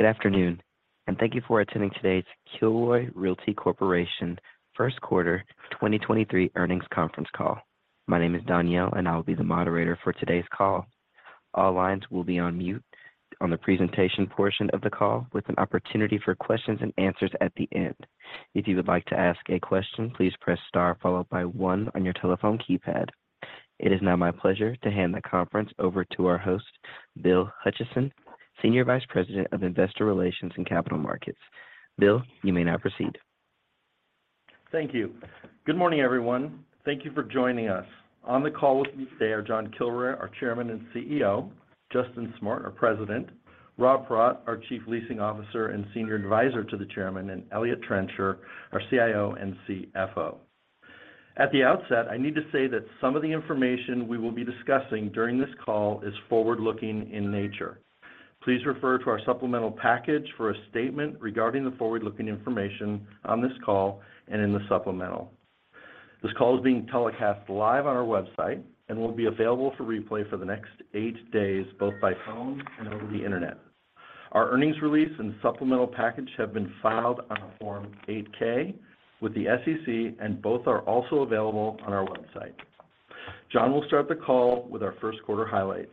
Good afternoon, thank you for attending today's Kilroy Realty Corporation Q1 2023 earnings conference call. My name is Danielle, and I will be the moderator for today's call. All lines will be on mute on the presentation portion of the call, with an opportunity for questions and answers at the end. If you would like to ask a question, please press star followed by one on your telephone keypad. It is now my pleasure to hand the conference over to our host, Bill Hutcheson, Senior Vice President of Investor Relations and Capital Markets. Bill, you may now proceed. Thank you. Good morning, everyone. Thank you for joining us. On the call with me today are John Kilroy, our Chairman and CEO, Justin Smart, our President, Rob Paratte, our Chief Leasing Officer and Senior Advisor to the Chairman, and Eliott Trencher, our CIO and CFO. At the outset, I need to say that some of the information we will be discussing during this call is forward-looking in nature. Please refer to our supplemental package for a statement regarding the forward-looking information on this call and in the supplemental. This call is being telecast live on our website and will be available for replay for the next eight days, both by phone and over the Internet. Our earnings release and supplemental package have been filed on Form 8-K with the SEC, both are also available on our website. John will start the call with our Q1 highlights,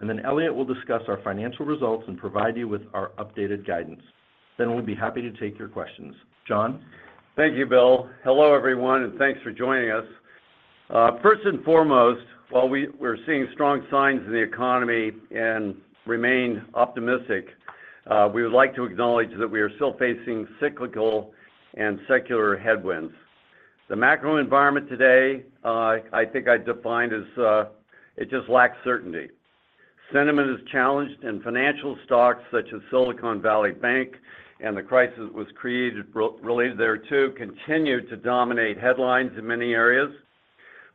and then Eliott will discuss our financial results and provide you with our updated guidance. We'll be happy to take your questions. John. Thank you, Bill. Hello, everyone, and thanks for joining us. First and foremost, while we're seeing strong signs in the economy and remain optimistic, we would like to acknowledge that we are still facing cyclical and secular headwinds. The macro environment today, I think I defined as, it just lacks certainty. Sentiment is challenged in financial stocks such as Silicon Valley Bank. The crisis was created really there too, continued to dominate headlines in many areas.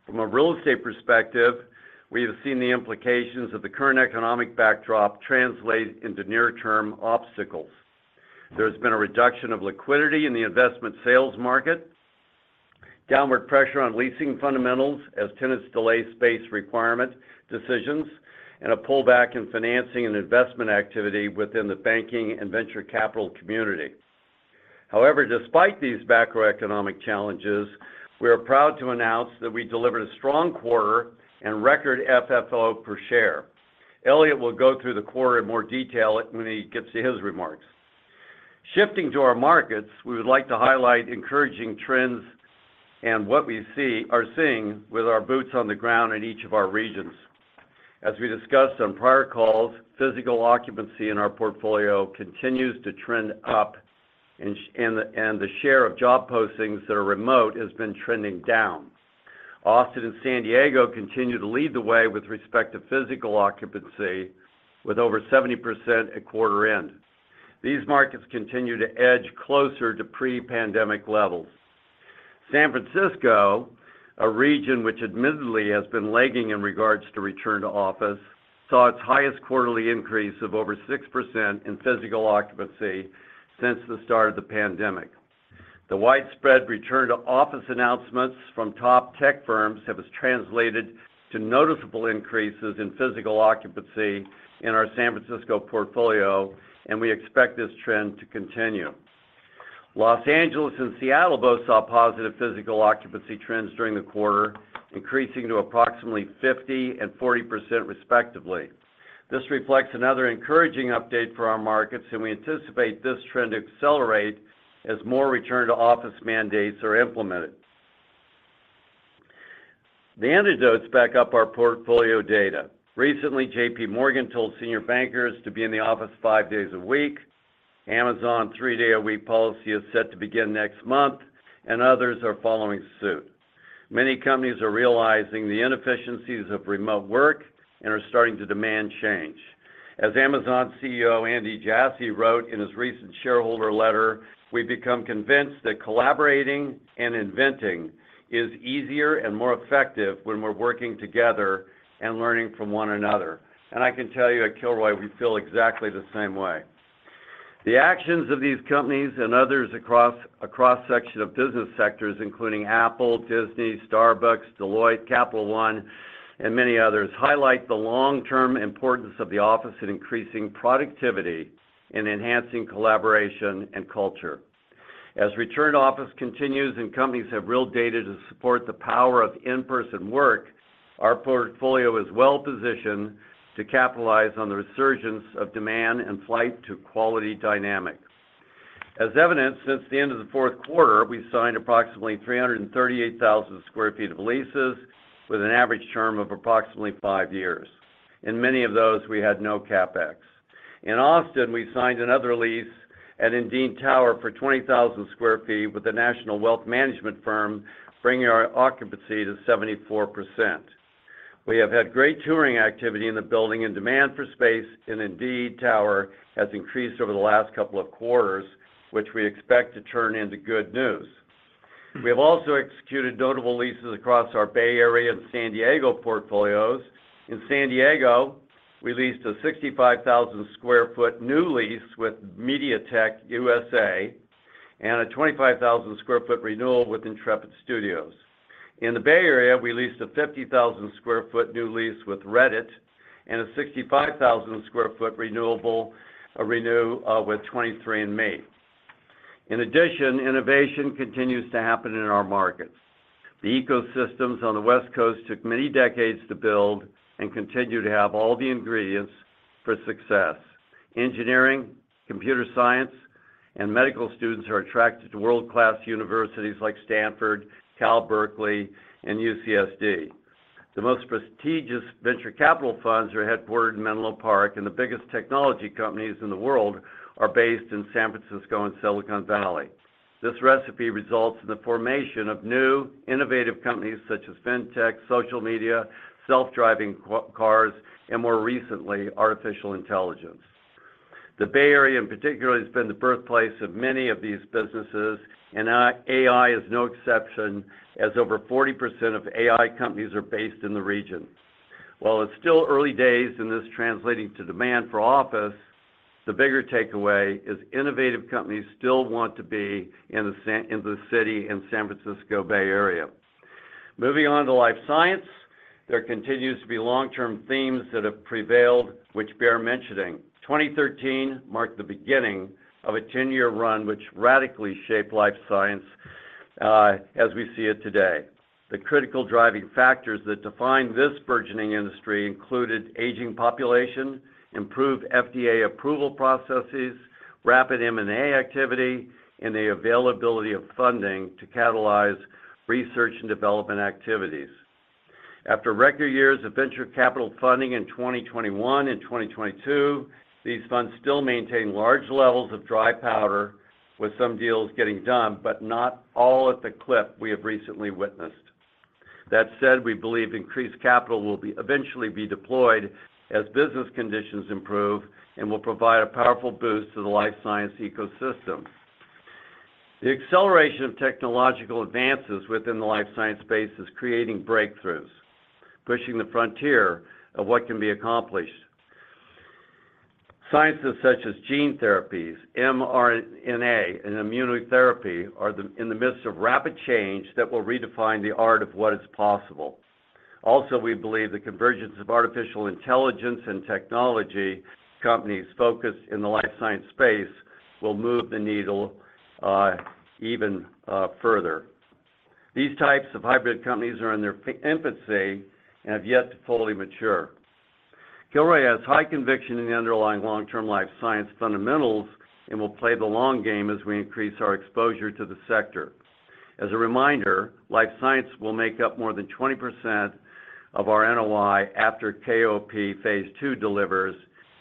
From a real estate perspective, we have seen the implications of the current economic backdrop translate into near-term obstacles. There's been a reduction of liquidity in the investment sales market, downward pressure on leasing fundamentals as tenants delay space requirement decisions, and a pullback in financing and investment activity within the banking and venture capital community. However, despite these macroeconomic challenges, we are proud to announce that we delivered a strong quarter and record FFO per share. Eliott will go through the quarter in more detail when he gets to his remarks. Shifting to our markets, we would like to highlight encouraging trends and what we are seeing with our boots on the ground in each of our regions. As we discussed on prior calls, physical occupancy in our portfolio continues to trend up, and the share of job postings that are remote has been trending down. Austin and San Diego continue to lead the way with respect to physical occupancy with over 70% at quarter end. These markets continue to edge closer to pre-pandemic levels. San Francisco, a region which admittedly has been lagging in regards to return to office, saw its highest quarterly increase of over 6% in physical occupancy since the start of the pandemic. The widespread return to office announcements from top tech firms have as translated to noticeable increases in physical occupancy in our San Francisco portfolio. We expect this trend to continue. Los Angeles and Seattle both saw positive physical occupancy trends during the quarter, increasing to approximately 50% and 40% respectively. This reflects another encouraging update for our markets, and we anticipate this trend to accelerate as more return to office mandates are implemented. The anecdotes back up our portfolio data. Recently, JP Morgan told senior bankers to be in the office five days a week. Amazon three day a week policy is set to begin next month. Others are following suit. Many companies are realizing the inefficiencies of remote work and are starting to demand change. As Amazon CEO Andy Jassy wrote in his recent shareholder letter, "We've become convinced that collaborating and inventing is easier and more effective when we're working together and learning from one another." I can tell you at Kilroy, we feel exactly the same way. The actions of these companies and others across a cross-section of business sectors, including Apple, Disney, Starbucks, Deloitte, Capital One, and many others, highlight the long-term importance of the office in increasing productivity and enhancing collaboration and culture. As return to office continues and companies have real data to support the power of in-person work, our portfolio is well positioned to capitalize on the resurgence of demand and flight to quality dynamics. As evidenced since the end of the Q4, we've signed approximately 338,000 sq ft of leases with an average term of approximately five years. In many of those, we had no CapEx. In Austin, we signed another lease at Indeed Tower for 20,000 sq ft with the National Wealth Management firm, bringing our occupancy to 74%. We have had great touring activity in the building, demand for space in Indeed Tower has increased over the last couple of quarters, which we expect to turn into good news. We have also executed notable leases across our Bay Area and San Diego portfolios. In San Diego, we leased a 65,000 sq ft new lease with MediaTek USA. A 25,000 sq ft renewal with Intrepid Studios. In the Bay Area, we leased a 50,000 sq ft new lease with Reddit and a 65,000 sq ft renewable with 23andMe. Innovation continues to happen in our markets. The ecosystems on the West Coast took many decades to build and continue to have all the ingredients for success. Engineering, computer science, and medical students are attracted to world-class universities like Stanford, Cal Berkeley, and UCSD. The most prestigious venture capital funds are headquartered in Menlo Park, and the biggest technology companies in the world are based in San Francisco and Silicon Valley. This recipe results in the formation of new innovative companies such as Fintech, social media, self-driving cars, and more recently, artificial intelligence. The Bay Area in particular has been the birthplace of many of these businesses, and AI is no exception as over 40% of AI companies are based in the region. While it's still early days in this translating to demand for office, the bigger takeaway is innovative companies still want to be in the city, in San Francisco Bay Area. Moving on to life science, there continues to be long-term themes that have prevailed, which bear mentioning. 2013 marked the beginning of a 10-year run, which radically shaped life science as we see it today. The critical driving factors that define this burgeoning industry included aging population, improved FDA approval processes, rapid M&A activity, and the availability of funding to catalyze research and development activities. After record years of venture capital funding in 2021 and 2022, these funds still maintain large levels of dry powder with some deals getting done, but not all at the clip we have recently witnessed. That said, we believe increased capital eventually be deployed as business conditions improve and will provide a powerful boost to the life science ecosystem. The acceleration of technological advances within the life science space is creating breakthroughs, pushing the frontier of what can be accomplished. Sciences such as gene therapies, mRNA, and immunotherapy are in the midst of rapid change that will redefine the art of what is possible. Also, we believe the convergence of artificial intelligence and technology companies focused in the life science space will move the needle even further. These types of hybrid companies are in their infancy and have yet to fully mature. Kilroy has high conviction in the underlying long-term life science fundamentals and will play the long game as we increase our exposure to the sector. As a reminder, life science will make up more than 20% of our NOI after KOP Phase Two delivers,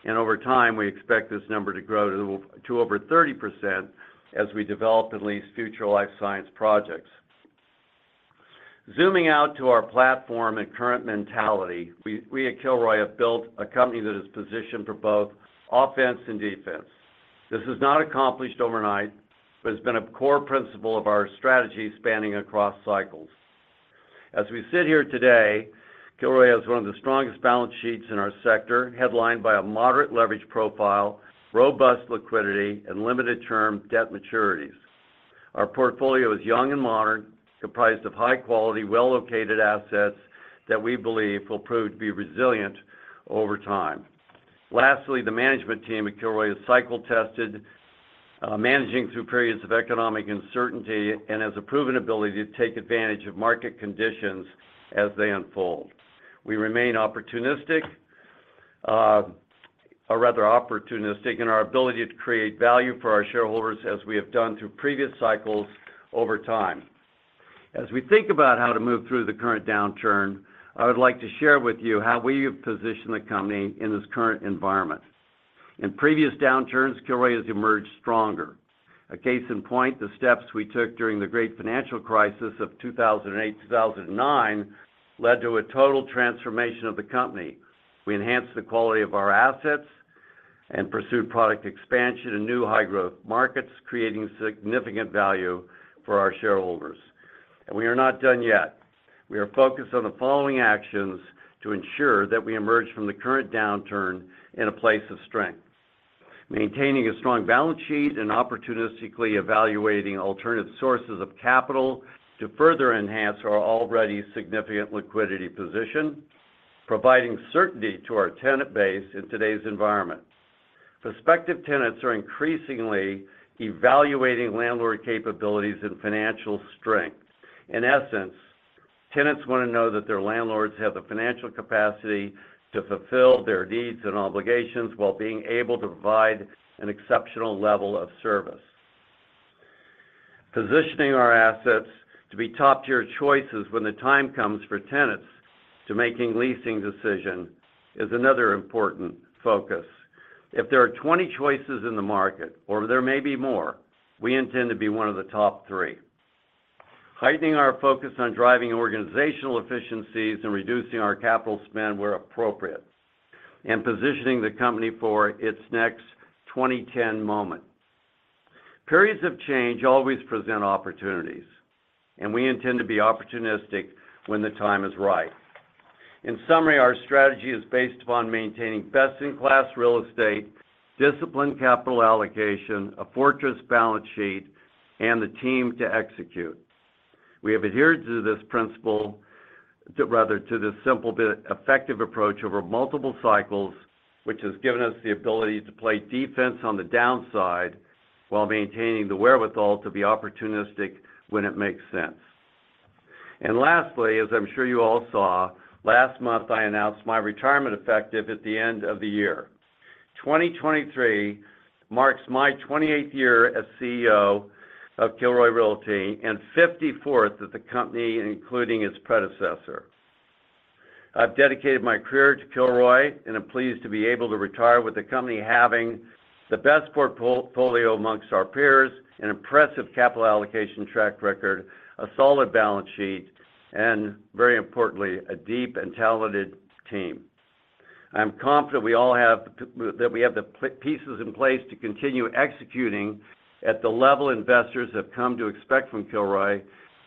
and over time, we expect this number to grow to over 30% as we develop at least future life science projects. Zooming out to our platform and current mentality, we at Kilroy have built a company that is positioned for both offense and defense. This is not accomplished overnight, but it's been a core principle of our strategy spanning across cycles. As we sit here today, Kilroy has one of the strongest balance sheets in our sector, headlined by a moderate leverage profile, robust liquidity, and limited term debt maturities. Our portfolio is young and modern, comprised of high-quality, well-located assets that we believe will prove to be resilient over time. Lastly, the management team at Kilroy is cycle tested, managing through periods of economic uncertainty and has a proven ability to take advantage of market conditions as they unfold. We remain opportunistic, or rather opportunistic in our ability to create value for our shareholders as we have done through previous cycles over time. As we think about how to move through the current downturn, I would like to share with you how we have positioned the company in this current environment. In previous downturns, Kilroy has emerged stronger. A case in point, the steps we took during the great financial crisis of 2008, 2009 led to a total transformation of the company. We enhanced the quality of our assets and pursued product expansion in new high-growth markets, creating significant value for our shareholders. We are not done yet. We are focused on the following actions to ensure that we emerge from the current downturn in a place of strength. Maintaining a strong balance sheet and opportunistically evaluating alternative sources of capital to further enhance our already significant liquidity position, providing certainty to our tenant base in today's environment. Prospective tenants are increasingly evaluating landlord capabilities and financial strength. In essence, tenants wanna know that their landlords have the financial capacity to fulfill their needs and obligations while being able to provide an exceptional level of service. Positioning our assets to be top-tier choices when the time comes for tenants to making leasing decision is another important focus. If there are 20 choices in the market, or there may be more, we intend to be one of the top three. Heightening our focus on driving organizational efficiencies and reducing our capital spend where appropriate, and positioning the company for its next 2010 moment. Periods of change always present opportunities, and we intend to be opportunistic when the time is right. In summary, our strategy is based upon maintaining best-in-class real estate, disciplined capital allocation, a fortress balance sheet, and the team to execute. We have adhered to this principle, rather, to this simple but effective approach over multiple cycles, which has given us the ability to play defense on the downside while maintaining the wherewithal to be opportunistic when it makes sense. Lastly, as I'm sure you all saw, last month, I announced my retirement effective at the end of the year. 2023 marks my 28th year as CEO of Kilroy Realty and 54th at the company, including its predecessor. I've dedicated my career to Kilroy and am pleased to be able to retire with the company having the best portfolio amongst our peers, an impressive capital allocation track record, a solid balance sheet, and very importantly, a deep and talented team. I am confident that we have the pieces in place to continue executing at the level investors have come to expect from Kilroy.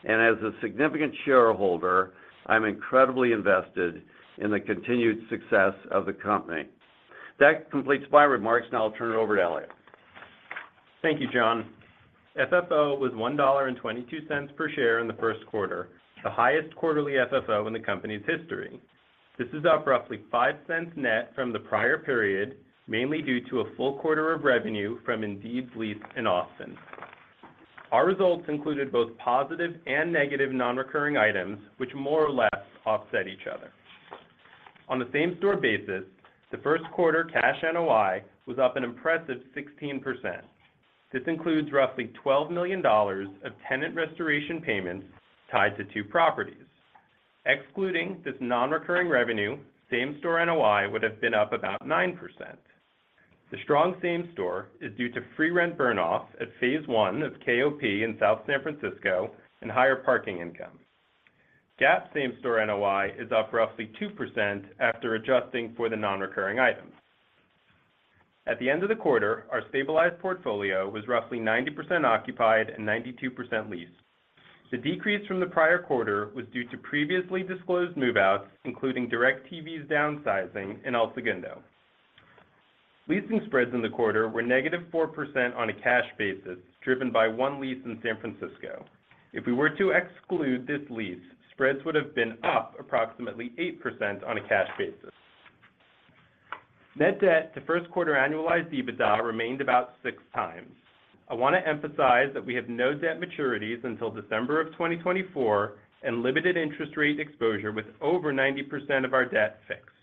As a significant shareholder, I'm incredibly invested in the continued success of the company. That completes my remarks. Now I'll turn it over to Eliott. Thank you, John. FFO was $1.22 per share in the Q1, the highest quarterly FFO in the company's history. This is up roughly $0.05 net from the prior period, mainly due to a full quarter of revenue from Indeed's lease in Austin. Our results included both positive and negative non-recurring items, which more or less offset each other. On the same-store basis, the Q1 cash NOI was up an impressive 16%. This includes roughly $12 million of tenant restoration payments tied to two properties. Excluding this non-recurring revenue, same-store NOI would've been up about 9%. The strong same store is due to free rent burn-off at phase one of KOP in South San Francisco and higher parking income. GAAP same-store NOI is up roughly 2% after adjusting for the non-recurring items. At the end of the quarter, our stabilized portfolio was roughly 90% occupied and 92% leased. The decrease from the prior quarter was due to previously disclosed move-outs, including DIRECTV's downsizing in El Segundo. Leasing spreads in the quarter were -4% on a cash basis, driven by one lease in San Francisco. If we were to exclude this lease, spreads would've been up approximately 8% on a cash basis. Net debt to Q1 annualized EBITDA remained about 6x. I wanna emphasize that we have no debt maturities until December 2024 and limited interest rate exposure with over 90% of our debt fixed.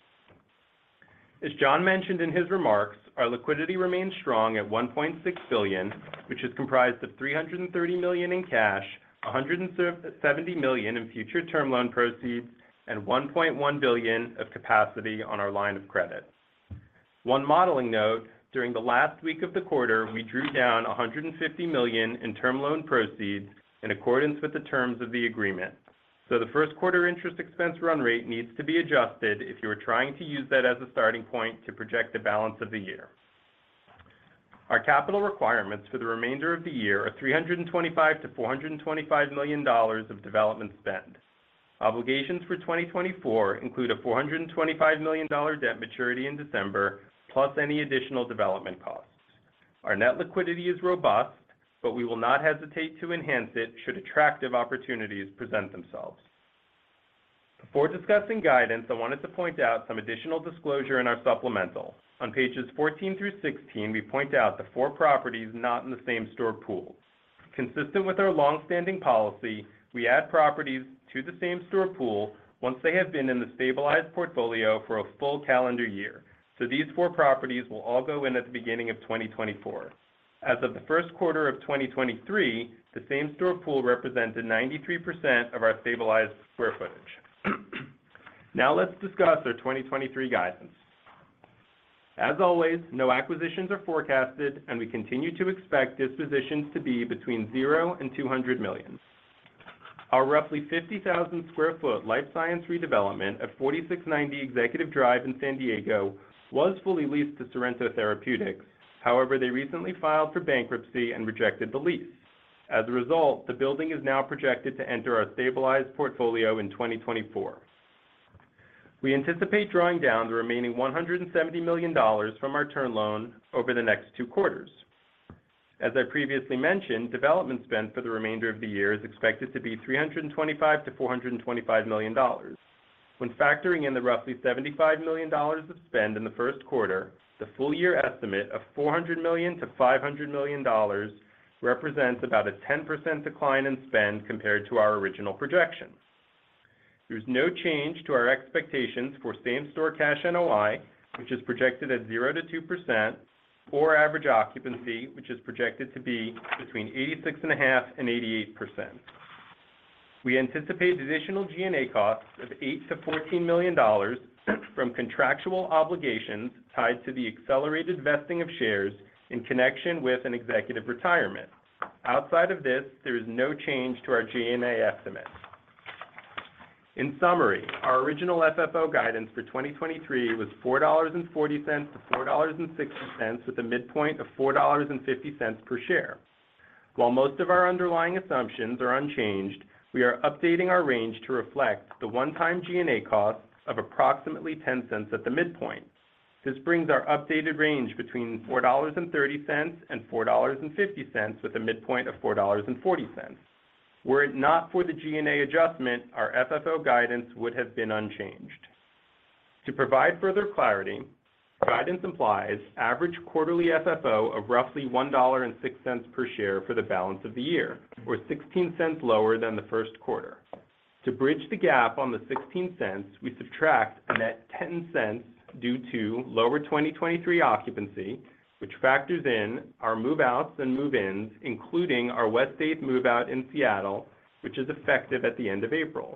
As John mentioned in his remarks, our liquidity remains strong at $1.6 billion, which is comprised of $330 million in cash, $170 million in future term loan proceeds, and $1.1 billion of capacity on our line of credit. One modeling note, during the last week of the quarter, we drew down $150 million in term loan proceeds in accordance with the terms of the agreement. The Q1 interest expense run rate needs to be adjusted if you are trying to use that as a starting point to project the balance of the year. Our capital requirements for the remainder of the year are $325 million-$425 million of development spend. Obligations for 2024 include a $425 million debt maturity in December, plus any additional development costs. Our net liquidity is robust. We will not hesitate to enhance it should attractive opportunities present themselves. Before discussing guidance, I wanted to point out some additional disclosure in our supplemental. On pages 14 through 16, we point out the four properties not in the same-store pool. Consistent with our longstanding policy, we add properties to the same-store pool once they have been in the stabilized portfolio for a full calendar year. These four properties will all go in at the beginning of 2024. As of the Q1 of 2023, the same-store pool represented 93% of our stabilized square footage. Let's discuss our 2023 guidance. As always, no acquisitions are forecasted, and we continue to expect dispositions to be between zero and $200 million. Our roughly 50,000 sq ft life science redevelopment at 4690 Executive Drive in San Diego was fully leased to Sorrento Therapeutics. However, they recently filed for bankruptcy and rejected the lease. As a result, the building is now projected to enter our stabilized portfolio in 2024. We anticipate drawing down the remaining $170 million from our term loan over the next two quarters. As I previously mentioned, development spend for the remainder of the year is expected to be $325-$425 million. When factoring in the roughly $75 million of spend in the Q1, the full year estimate of $400-$500 million represents about a 10% decline in spend compared to our original projections. There's no change to our expectations for same-store cash NOI, which is projected at 0%-2%, or average occupancy, which is projected to be between 86.5% and 88%. We anticipate additional G&A costs of $8-$14 million from contractual obligations tied to the accelerated vesting of shares in connection with an executive retirement. Outside of this, there is no change to our G&A estimate. In summary, our original FFO guidance for 2023 was $4.40-$4.60, with a midpoint of $4.50 per share. While most of our underlying assumptions are unchanged, we are updating our range to reflect the one-time G&A cost of approximately $0.10 at the midpoint. This brings our updated range between $4.30 and $4.50, with a midpoint of $4.40. Were it not for the G&A adjustment, our FFO guidance would have been unchanged. To provide further clarity, guidance implies average quarterly FFO of roughly $1.06 per share for the balance of the year, or $0.16 lower than the Q1. To bridge the gap on the $0.16, we subtract a net $0.10 due to lower 2023 occupancy, which factors in our move-outs and move-ins, including our Westgate move-out in Seattle, which is effective at the end of April.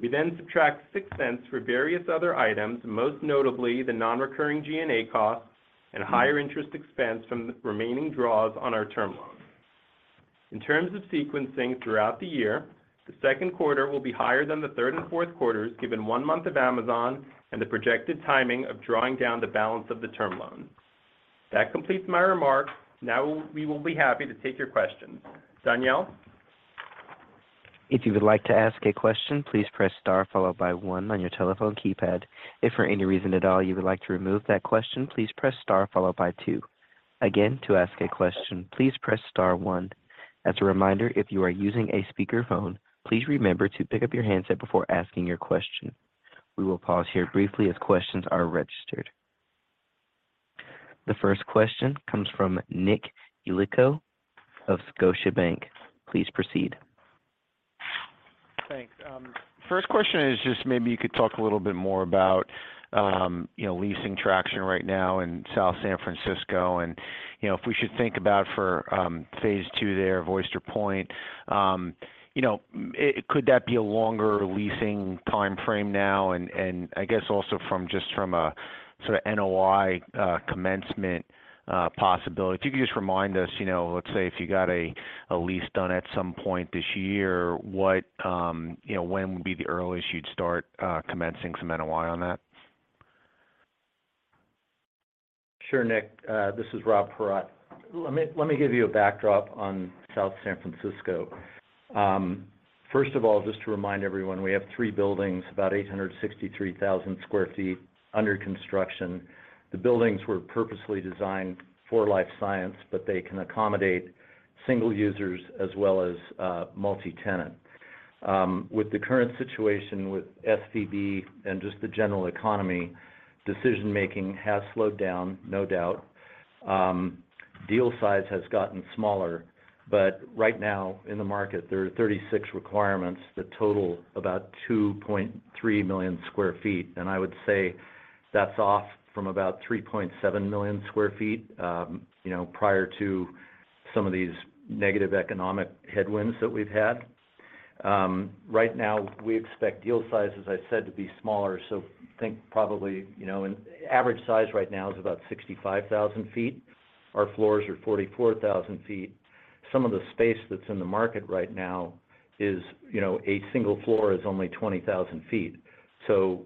We subtract $0.06 for various other items, most notably the non-recurring G&A costs and higher interest expense from remaining draws on our term loan. In terms of sequencing throughout the year, the Q2 will be higher than the third and Q4s, given one month of Amazon and the projected timing of drawing down the balance of the term loan. That completes my remarks. We will be happy to take your questions. Danielle? If you would like to ask a question, please press star followed by one on your telephone keypad. If for any reason at all you would like to remove that question, please press star followed by two. Again, to ask a question, please press star one. As a reminder, if you are using a speakerphone, please remember to pick up your handset before asking your question. We will pause here briefly as questions are registered. The first question comes from Nicholas Yulico of Scotiabank. Please proceed. Thanks. First question is just maybe you could talk a little bit more about, you know, leasing traction right now in South San Francisco and, you know, if we should think about for Phase 2 there of Oyster Point. You know, could that be a longer leasing timeframe now? I guess also from just from a sort of NOI commencement possibility. If you could just remind us, you know, let's say if you got a lease done at some point this year, what, you know, when would be the earliest you'd start commencing some NOI on that? Sure, Nick. This is Rob Paratte. Let me give you a backdrop on South San Francisco. First of all, just to remind everyone, we have 3 buildings, about 863,000 sq ft under construction. The buildings were purposely designed for life science, but they can accommodate single users as well as multi-tenant. With the current situation with SVB and just the general economy, decision-making has slowed down, no doubt. Deal size has gotten smaller, but right now in the market, there are 36 requirements that total about 2.3 million sq ft. I would say that's off from about 3.7 million sq ft, you know, prior to some of these negative economic headwinds that we've had. Right now we expect deal size, as I said, to be smaller, think probably, you know... Average size right now is about 65,000 sq ft. Our floors are 44,000 sq ft. Some of the space that's in the market right now is, you know, a single floor is only 20,000 sq ft.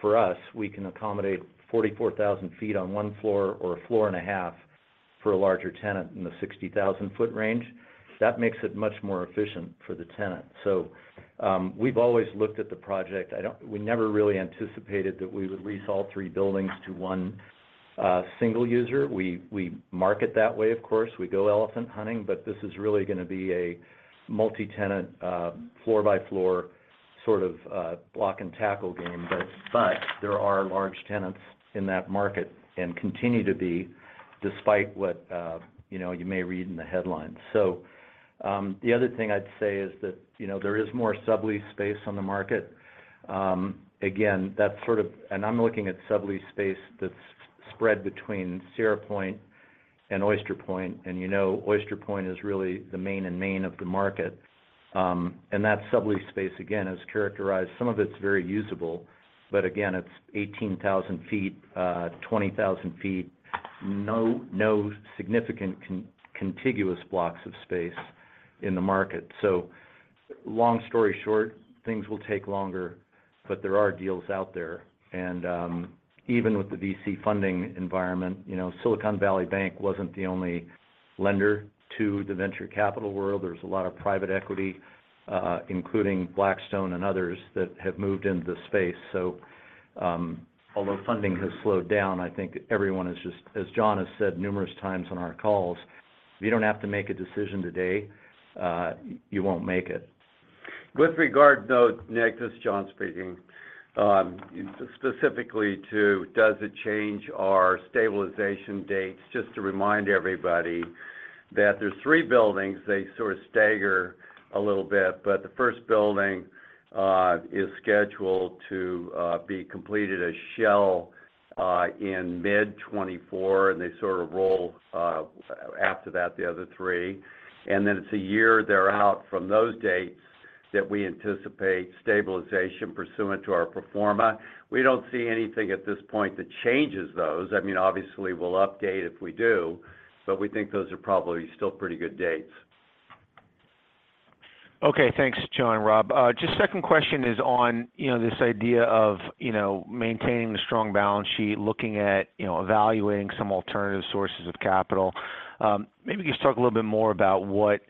For us, we can accommodate 44,000 sq ft on one floor or a floor and a half for a larger tenant in the 60,000 sq ft range. That makes it much more efficient for the tenant. We've always looked at the project. We never really anticipated that we would lease all three buildings to one single user. We mark it that way, of course. We go elephant hunting, this is really gonna be a multi-tenant, floor-by-floor sort of block-and-tackle game. There are large tenants in that market and continue to be despite what, you know, you may read in the headlines. The other thing I'd say is that, you know, there is more sublease space on the market. Again, I'm looking at sublease space that's spread between Sierra Point and Oyster Point. You know Oyster Point is really the main and main of the market. That sublease space, again, is characterized. Some of it's very usable, but again, it's 18,000 feet, 20,000 feet. No significant contiguous blocks of space in the market. Long story short, things will take longer, but there are deals out there. Even with the VC funding environment, you know, Silicon Valley Bank wasn't the only lender to the venture capital world. There's a lot of private equity, including Blackstone and others that have moved into the space. Although funding has slowed down, I think everyone is just, as John has said numerous times on our calls, if you don't have to make a decision today, you won't make it. With regard, though, Nick, this is John speaking, specifically to does it change our stabilization dates? Just to remind everybody that there's three buildings. They sort of stagger a little bit, but the first building, is scheduled to be completed as shell in mid-2024, and they sort of roll after that, the other three. It's a year they're out from those dates that we anticipate stabilization pursuant to our pro forma. We don't see anything at this point that changes those. I mean, obviously, we'll update if we do, but we think those are probably still pretty good dates. Okay, thanks, John, Rob. Just second question is on, you know, this idea of, you know, maintaining the strong balance sheet, looking at, you know, evaluating some alternative sources of capital. Maybe just talk a little bit more about what,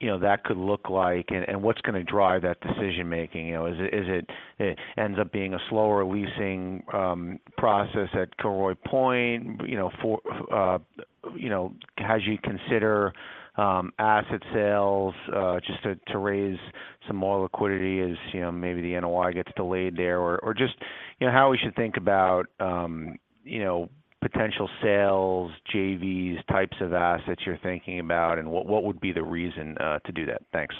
you know, that could look like and what's gonna drive that decision-making. You know, is it ends up being a slower leasing process at Kilroy Point, you know, for, you know, how do you consider asset sales just to raise some more liquidity as, you know, maybe the NOI gets delayed there? Or just, you know, how we should think about, you know, potential sales, JVs, types of assets you're thinking about, and what would be the reason to do that? Thanks.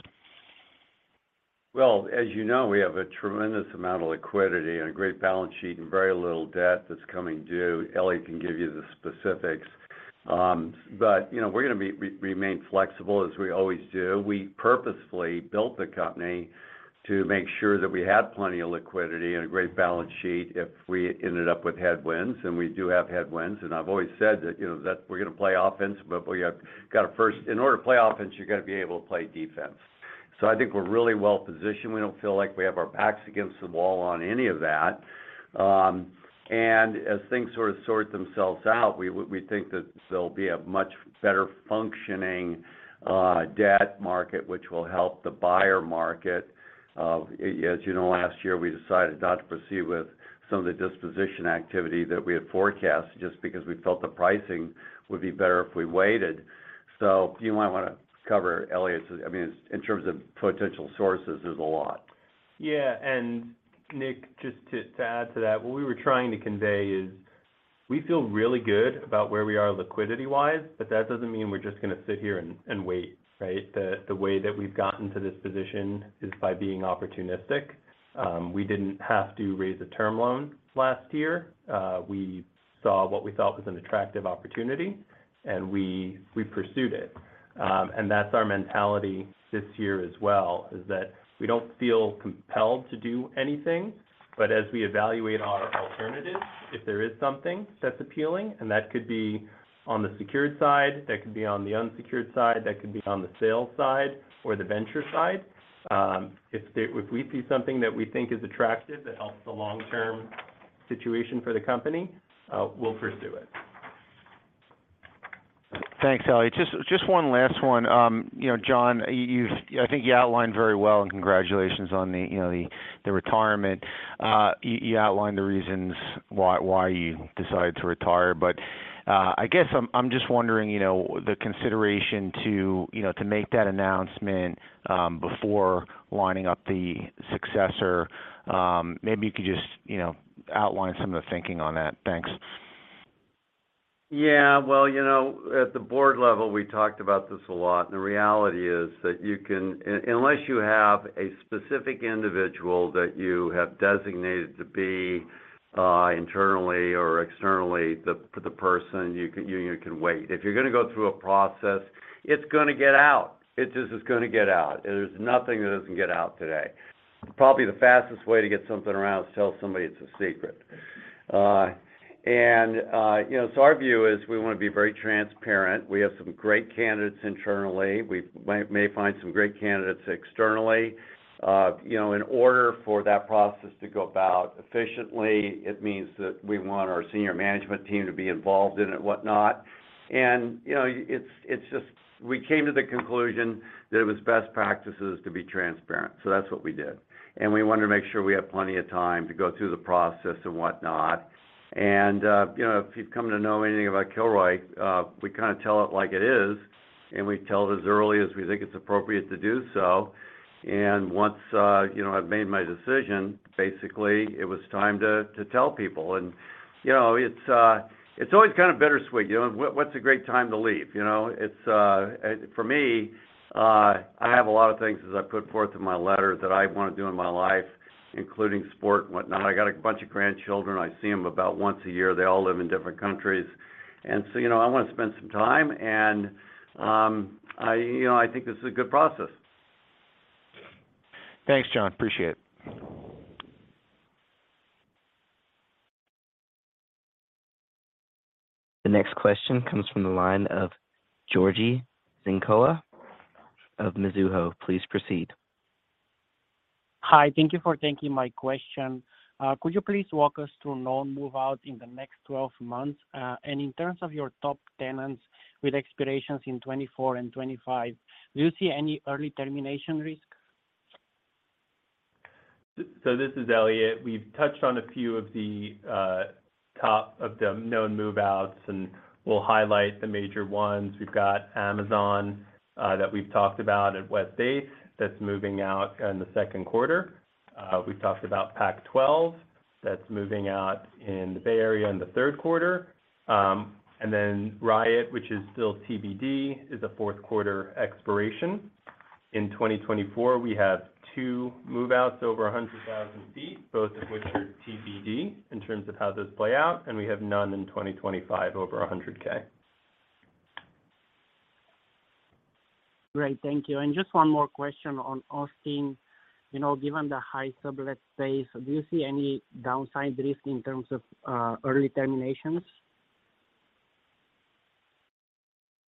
Well, as you know, we have a tremendous amount of liquidity and a great balance sheet and very little debt that's coming due. Eliott can give you the specifics. you know, we're gonna remain flexible as we always do. We purposefully built the company to make sure that we had plenty of liquidity and a great balance sheet if we ended up with headwinds, and we do have headwinds. I've always said that, you know, that we're gonna play offense, but we have got to first. In order to play offense, you're gonna be able to play defense. I think we're really well-positioned. We don't feel like we have our backs against the wall on any of that. As things sort of sort themselves out, we think that there'll be a much better functioning debt market, which will help the buyer market. As you know, last year, we decided not to proceed with some of the disposition activity that we had forecast just because we felt the pricing would be better if we waited. You might wanna cover Eliott's. I mean, in terms of potential sources, there's a lot. Yeah. Nick, just to add to that, what we were trying to convey is we feel really good about where we are liquidity-wise, but that doesn't mean we're just gonna sit here and wait, right? The way that we've gotten to this position is by being opportunistic. We didn't have to raise a term loan last year. We saw what we thought was an attractive opportunity, and we pursued it. That's our mentality this year as well, is that we don't feel compelled to do anything. As we evaluate our alternatives, if there is something that's appealing, and that could be on the secured side, that could be on the unsecured side, that could be on the sales side or the venture side. If we see something that we think is attractive that helps the long-term situation for the company, we'll pursue it. Thanks, Eliott. Just one last one. You know, John, I think you outlined very well, and congratulations on the, you know, the retirement. You outlined the reasons why you decided to retire. I guess I'm just wondering, you know, the consideration to, you know, make that announcement before lining up the successor? Maybe you could just, you know, outline some of the thinking on that. Thanks. Yeah. Well, you know, at the board level, we talked about this a lot, and the reality is that unless you have a specific individual that you have designated to be internally or externally the person, you can wait. If you're gonna go through a process, it's gonna get out. It just is gonna get out. There's nothing that doesn't get out today. Probably the fastest way to get something around is tell somebody it's a secret. You know, so our view is we wanna be very transparent. We have some great candidates internally. We may find some great candidates externally. You know, in order for that process to go about efficiently, it means that we want our senior management team to be involved in it and whatnot. You know, it's just we came to the conclusion that it was best practices to be transparent. That's what we did. We wanted to make sure we have plenty of time to go through the process and whatnot. You know, if you've come to know anything about Kilroy, we kind of tell it like it is, and we tell it as early as we think it's appropriate to do so. Once, you know, I've made my decision, basically, it was time to tell people. You know, it's always kind of bittersweet. You know, what's a great time to leave, you know? It's for me, I have a lot of things, as I put forth in my letter, that I want to do in my life, including sport and whatnot. I got a bunch of grandchildren. I see them about once a year. They all live in different countries. You know, I want to spend some time. I, you know, I think this is a good process. Thanks, John. Appreciate it. The next question comes from the line of Georgi Dinkov of Mizuho. Please proceed. Hi. Thank you for taking my question. Could you please walk us through known move-out in the next 12 months? In terms of your top tenants with expirations in 2024 and 2025, do you see any early termination risk? This is Elliot. We've touched on a few of the top of the known move-outs, and we'll highlight the major ones. We've got Amazon that we've talked about at West Base that's moving out in the 2nd quarter. We've talked about Pac-12 that's moving out in the Bay Area in the 3rd quarter. Riot, which is still TBD, is a 4th quarter expiration. In 2024, we have two move-outs over 100,000 feet, both of which are TBD in terms of how those play out, and we have none in 2025 over 100K. Great. Thank you. Just one more question on Austin. You know, given the high sublet space, do you see any downside risk in terms of early terminations?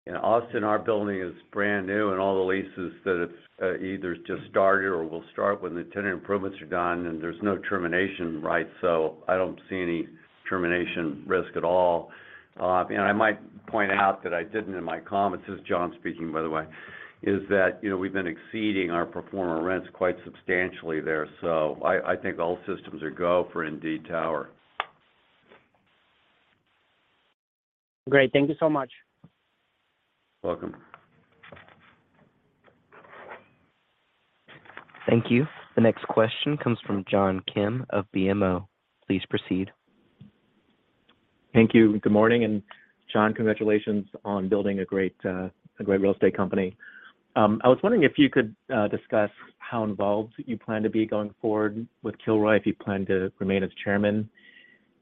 In Austin, our building is brand new, and all the leases that it's either just started or will start when the tenant improvements are done, and there's no termination, right? I don't see any termination risk at all. And I might point out that I didn't in my comments, this is John speaking, by the way, is that, you know, we've been exceeding our performer rents quite substantially there. I think all systems are go for Indeed Tower. Great. Thank you so much. Welcome. Thank you. The next question comes from John Kim of BMO. Please proceed. Thank you. Good morning. John, congratulations on building a great, a great real estate company. I was wondering if you could discuss how involved you plan to be going forward with Kilroy, if you plan to remain as Chairman,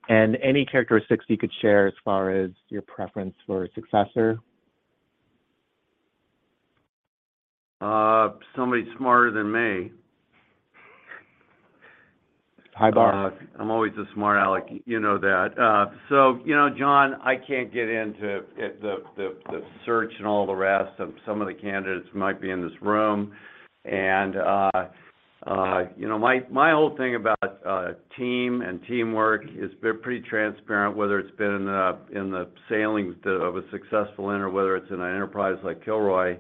and any characteristics you could share as far as your preference for a successor. Somebody smarter than me. High bar. I'm always a smart aleck, you know that. You know, John, I can't get into the search and all the rest of some of the candidates who might be in this room. You know, my whole thing about team and teamwork is they're pretty transparent, whether it's been in the sailings of a successful enter, whether it's in an enterprise like Kilroy,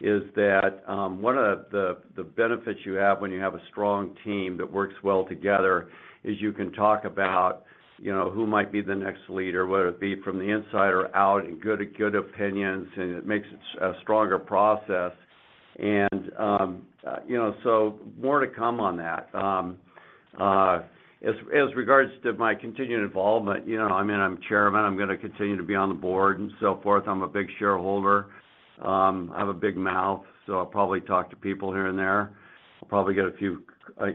is that one of the benefits you have when you have a strong team that works well together is you can talk about, you know, who might be the next leader, whether it be from the inside or out, and good opinions, and it makes a stronger process. More to come on that. As, as regards to my continued involvement, you know, I mean, I'm chairman, I'm gonna continue to be on the board and so forth. I'm a big shareholder. I have a big mouth, so I'll probably talk to people here and there. I'll probably get a few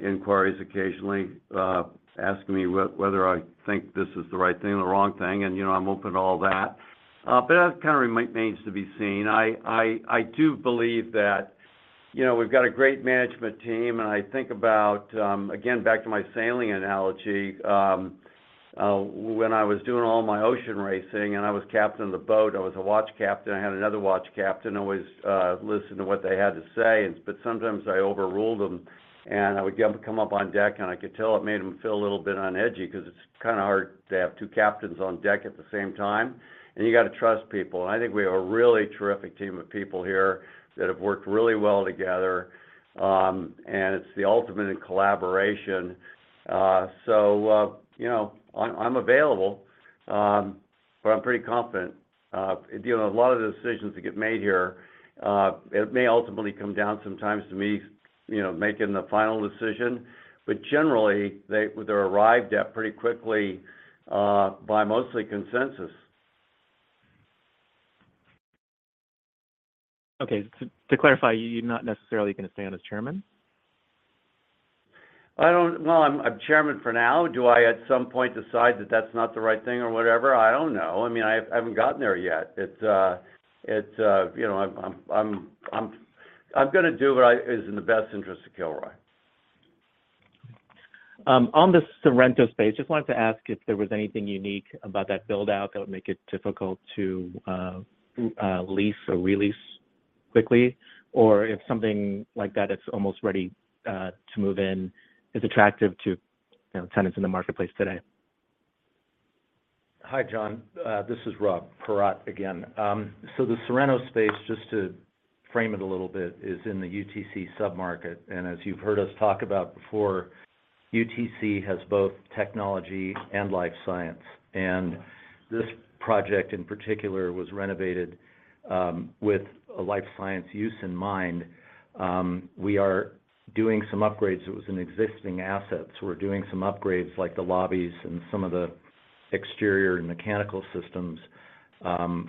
inquiries occasionally, asking me whether I think this is the right thing or the wrong thing, and, you know, I'm open to all that. That kind of remains to be seen. I do believe that, you know, we've got a great management team, and I think about, again, back to my sailing analogy, when I was doing all my ocean racing and I was captain of the boat, I was a watch captain. I had another watch captain, always listened to what they had to say, but sometimes I overruled them. I would come up on deck, I could tell it made them feel a little bit on edgy 'cause it's kinda hard to have two captains on deck at the same time, you gotta trust people. I think we have a really terrific team of people here that have worked really well together, and it's the ultimate in collaboration. You know, I'm available, I'm pretty confident. You know, a lot of the decisions that get made here, it may ultimately come down sometimes to me, you know, making the final decision. Generally, they're arrived at pretty quickly by mostly consensus. Okay. To clarify, you're not necessarily gonna stay on as chairman? I don't. Well, I'm chairman for now. Do I at some point decide that that's not the right thing or whatever? I don't know. I mean, I haven't gotten there yet. It's, you know, I'm gonna do what is in the best interest of Kilroy. On the Sorrento space, just wanted to ask if there was anything unique about that build-out that would make it difficult to lease or re-lease quickly, or if something like that is almost ready to move in is attractive to, you know, tenants in the marketplace today. Hi, John. This is Rob Paratte again. The Sorrento space, just to frame it a little bit, is in the UTC sub-market. As you've heard us talk about before, UTC has both technology and life science. This project, in particular, was renovated with a life science use in mind. We are doing some upgrades. It was an existing asset, so we're doing some upgrades, like the lobbies and some of the exterior and mechanical systems.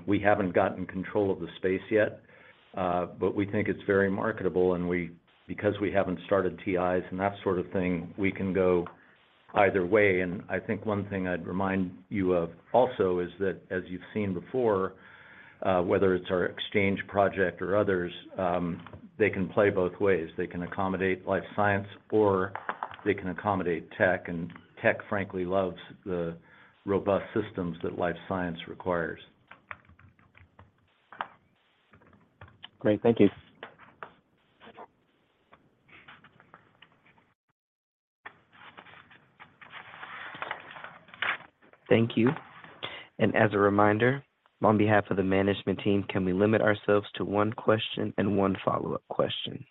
We haven't gotten control of the space yet, but we think it's very marketable. Because we haven't started TIs and that sort of thing, we can go either way. I think one thing I'd remind you of also is that, as you've seen before, whether it's our Exchange project or others, they can play both ways. They can accommodate life science, or they can accommodate tech. Tech, frankly, loves the robust systems that life science requires. Great. Thank you. Thank you. As a reminder, on behalf of the management team, can we limit ourselves to one question and one follow-up question?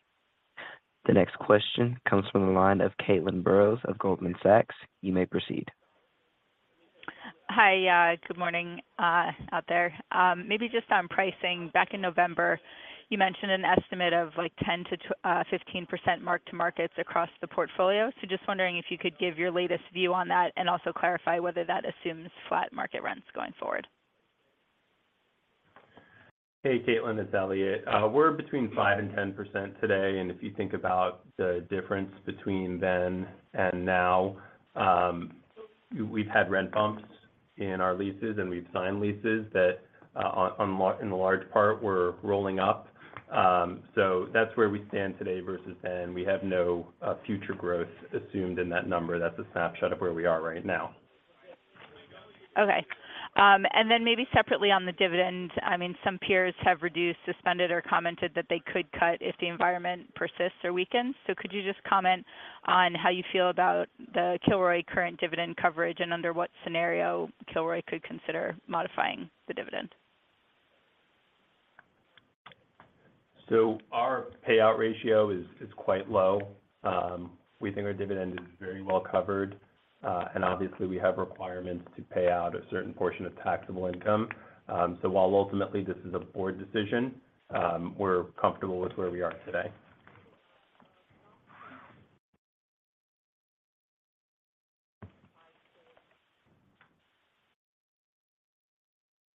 The next question comes from the line of Caitlin Burrows of Goldman Sachs. You may proceed. Hi. good morning out there. maybe just on pricing. Back in November, you mentioned an estimate of, like, 10%-15% mark-to-markets across the portfolio. just wondering if you could give your latest view on that and also clarify whether that assumes flat market rents going forward. Hey, Caitlin, it's Eliott. We're between 5% and 10% today. If you think about the difference between then and now, we've had rent bumps in our leases, and we've signed leases that, in large part were rolling up That's where we stand today versus then. We have no future growth assumed in that number. That's a snapshot of where we are right now. Okay. Then maybe separately on the dividend. I mean, some peers have reduced, suspended, or commented that they could cut if the environment persists or weakens. Could you just comment on how you feel about the Kilroy current dividend coverage, and under what scenario Kilroy could consider modifying the dividend? Our payout ratio is quite low. We think our dividend is very well covered, and obviously, we have requirements to pay out a certain portion of taxable income. While ultimately this is a board decision, we're comfortable with where we are today.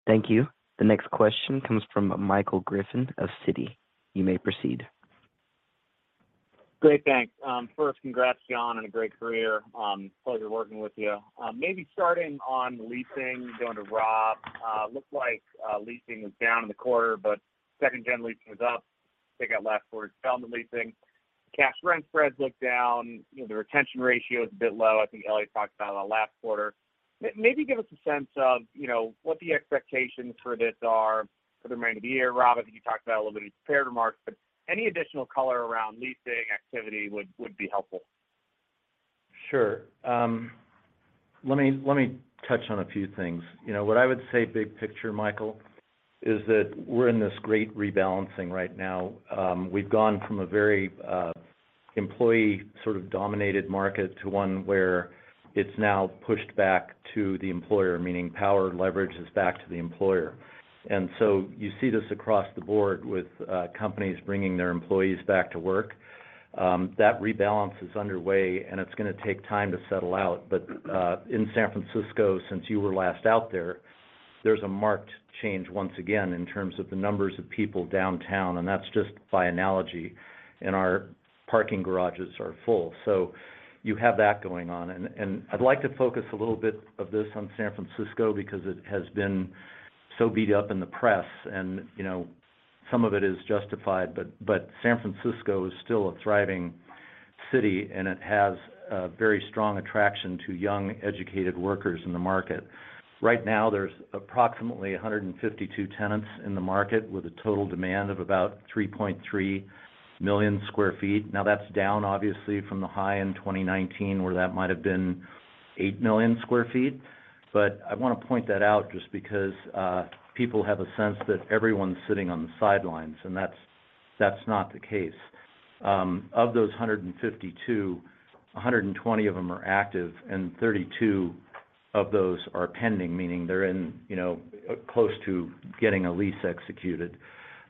Thank you. The next question comes from Michael Griffin of Citi. You may proceed. Great. Thanks. First congrats, John, on a great career. Pleasure working with you. Maybe starting on leasing, going to Rob. Looked like leasing was down in the quarter. Second-gen leasing was up. I think that last quarter was down to leasing. Cash rent spreads look down. You know, the retention ratio is a bit low. I think Eliott talked about it last quarter. Maybe give us a sense of, you know, what the expectations for this are for the remainder of the year. Rob, I think you talked about a little bit in your prepared remarks. Any additional color around leasing activity would be helpful. Sure. let me touch on a few things. You know what I would say big picture, Michael, is that we're in this great rebalancing right now. We've gone from a very employee sort of dominated market to one where it's now pushed back to the employer, meaning power leverage is back to the employer. You see this across the board with companies bringing their employees back to work. That rebalance is underway, and it's gonna take time to settle out. In San Francisco, since you were last out there's a marked change once again in terms of the numbers of people downtown, and that's just by analogy. Our parking garages are full. You have that going on. I'd like to focus a little bit of this on San Francisco because it has been so beat up in the press and, you know, some of it is justified, but San Francisco is still a thriving city, and it has a very strong attraction to young educated workers in the market. Right now, there's approximately 152 tenants in the market with a total demand of about 3.3 million sq ft. That's down obviously from the high-end 2019, where that might have been 8 million sq ft. I wanna point that out just because people have a sense that everyone's sitting on the sidelines, and that's not the case. Of those 152, 120 of them are active, and 32 of those are pending, meaning they're in, you know, close to getting a lease executed.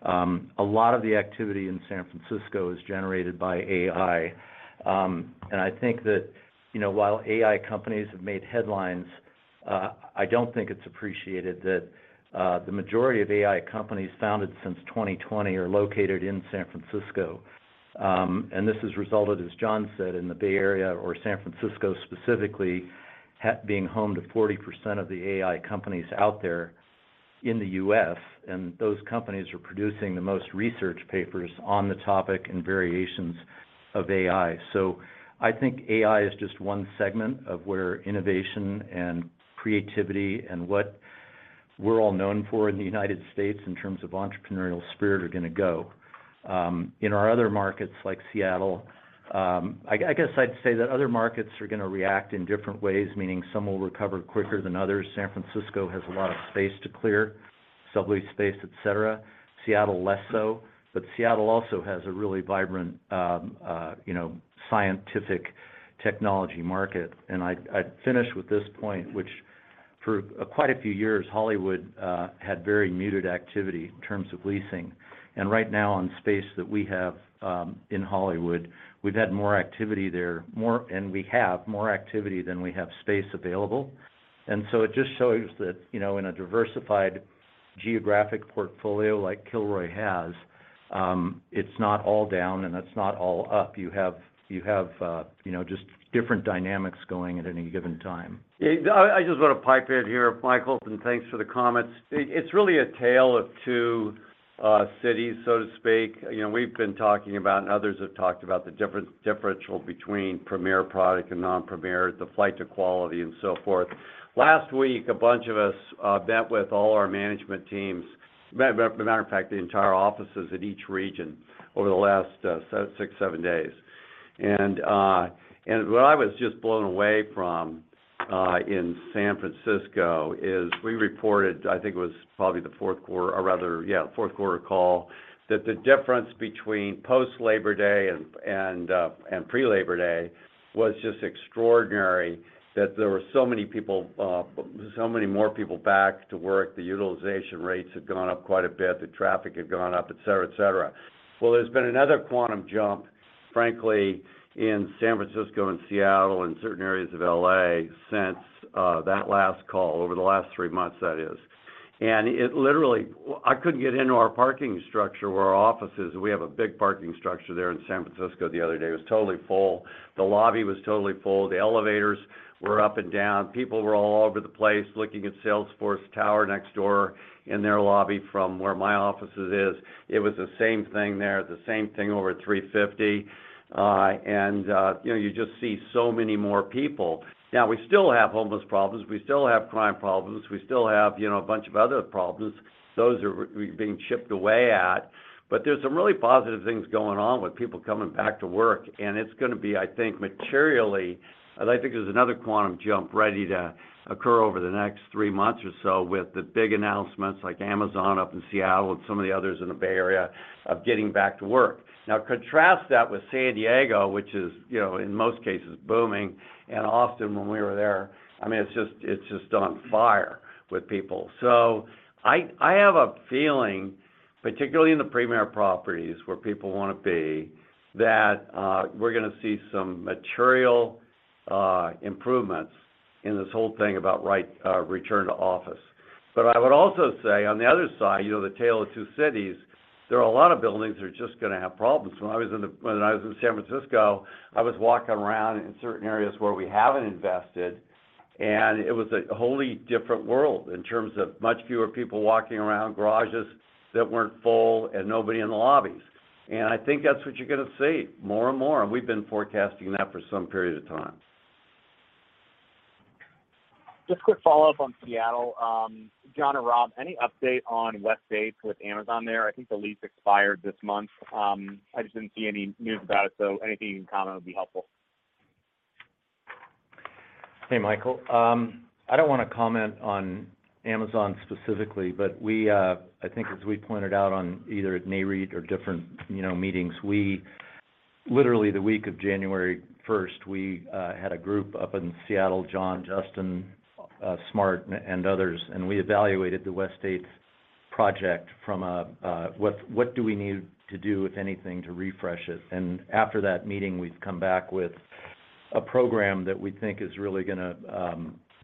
A lot of the activity in San Francisco is generated by AI. I think that, you know, while AI companies have made headlines, I don't think it's appreciated that the majority of AI companies founded since 2020 are located in San Francisco. This has resulted, as John said, in the Bay Area or San Francisco specifically being home to 40% of the AI companies out there in the US, and those companies are producing the most research papers on the topic and variations of AI. I think AI is just one segment of where innovation and creativity and what we're all known for in the United States in terms of entrepreneurial spirit are gonna go. In our other markets like Seattle, I guess I'd say that other markets are gonna react in different ways, meaning some will recover quicker than others. San Francisco has a lot of space to clear, sublease space, et cetera. Seattle, less so, but Seattle also has a really vibrant, you know, scientific technology market. I'd finish with this point, which for quite a few years, Hollywood had very muted activity in terms of leasing. Right now on space that we have in Hollywood, we've had more activity there, and we have more activity than we have space available. It just shows that, you know, in a diversified geographic portfolio like Kilroy has, it's not all down and it's not all up. You have, you know, just different dynamics going at any given time. Yeah. I just wanna pipe in here, Michael, thanks for the comments. It's really a tale of two cities, so to speak. You know, we've been talking about others have talked about the differential between premier product and non-premier, the flight to quality and so forth. Last week, a bunch of us met with all our management teams. Matter of fact, the entire offices in each region over the last six, seven days. What I was just blown away from in San Francisco is we reported, I think it was probably the Q4 call, that the difference between post Labor Day and pre-Labor Day was just extraordinary. There were so many people, so many more people back to work. The utilization rates had gone up quite a bit. The traffic had gone up, et cetera, et cetera. There's been another quantum jump, frankly, in San Francisco and Seattle and certain areas of L.A. since that last call over the last 3 months, that is. I couldn't get into our parking structure where our office is. We have a big parking structure there in San Francisco the other day. It was totally full. The lobby was totally full. The elevators were up and down. People were all over the place looking at Salesforce Tower next door in their lobby from where my office is. It was the same thing there, the same thing over at 350 Mission. You know, you just see so many more people. Now, we still have homeless problems. We still have crime problems. We still have, you know, a bunch of other problems. Those are being chipped away at. There's some really positive things going on with people coming back to work. It's gonna be, I think, materially. I think there's another quantum jump ready to occur over the next three months or so with the big announcements like Amazon up in Seattle and some of the others in the Bay Area of getting back to work. Now contrast that with San Diego, which is, you know, in most cases booming. Often when we were there, I mean, it's just, it's just on fire with people. I have a feeling, particularly in the premier properties where people wanna be, that we're gonna see some material improvements in this whole thing about return to office. I would also say on the other side, you know, the Tale of Two Cities, there are a lot of buildings that are just gonna have problems. When I was in San Francisco, I was walking around in certain areas where we haven't invested, and it was a wholly different world in terms of much fewer people walking around, garages that weren't full, and nobody in the lobbies. I think that's what you're gonna see more and more. We've been forecasting that for some period of time. Just a quick follow-up on Seattle. John or Rob, any update on Westgate with Amazon there? I think the lease expired this month. I just didn't see any news about it, so anything you can comment would be helpful. Hey, Michael. I don't wanna comment on Amazon specifically. We, I think as we pointed out on either at Nareit or different, you know, meetings, we literally, the week of January 1st, we had a group up in Seattle, John, Justin Smart and others, and we evaluated the West Eighth project from what do we need to do, if anything, to refresh it. After that meeting, we've come back with a program that we think is really gonna,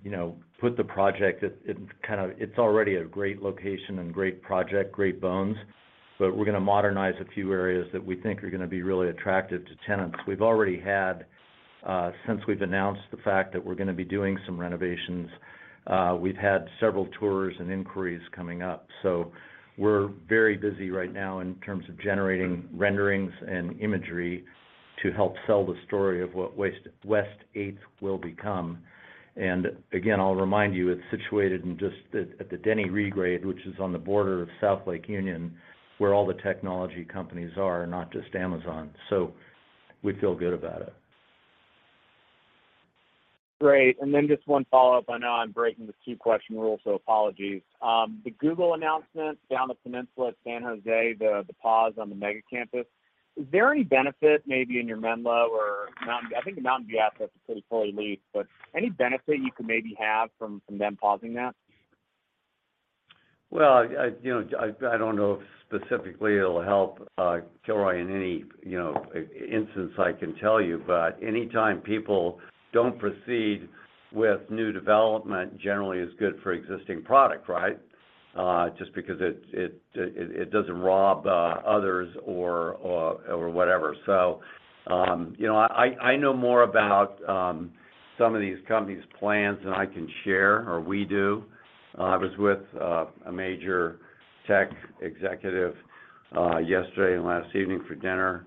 you know, put the project. It's already a great location and great project, great bones, but we're gonna modernize a few areas that we think are gonna be really attractive to tenants. We've already had since we've announced the fact that we're gonna be doing some renovations, we've had several tours and inquiries coming up. We're very busy right now in terms of generating renderings and imagery to help sell the story of what West Eighth will become. Again, I'll remind you, it's situated in just at the Denny Regrade, which is on the border of South Lake Union, where all the technology companies are, not just Amazon. We feel good about it. Great. Just one follow-up. I know I'm breaking the two-question rule, so apologies. The Google announcement down the peninsula at San Jose, the pause on the mega campus, is there any benefit maybe in your Menlo or Mountain-- I think the Mountain View asset's a pretty fully leased, but any benefit you could maybe have from them pausing that? Well, I, you know, I don't know if specifically it'll help Kilroy in any, you know, instance I can tell you. Anytime people don't proceed with new development generally is good for existing product, right? Just because it doesn't rob others or whatever. You know, I know more about some of these companies' plans than I can share, or we do. I was with a major tech executive yesterday and last evening for dinner.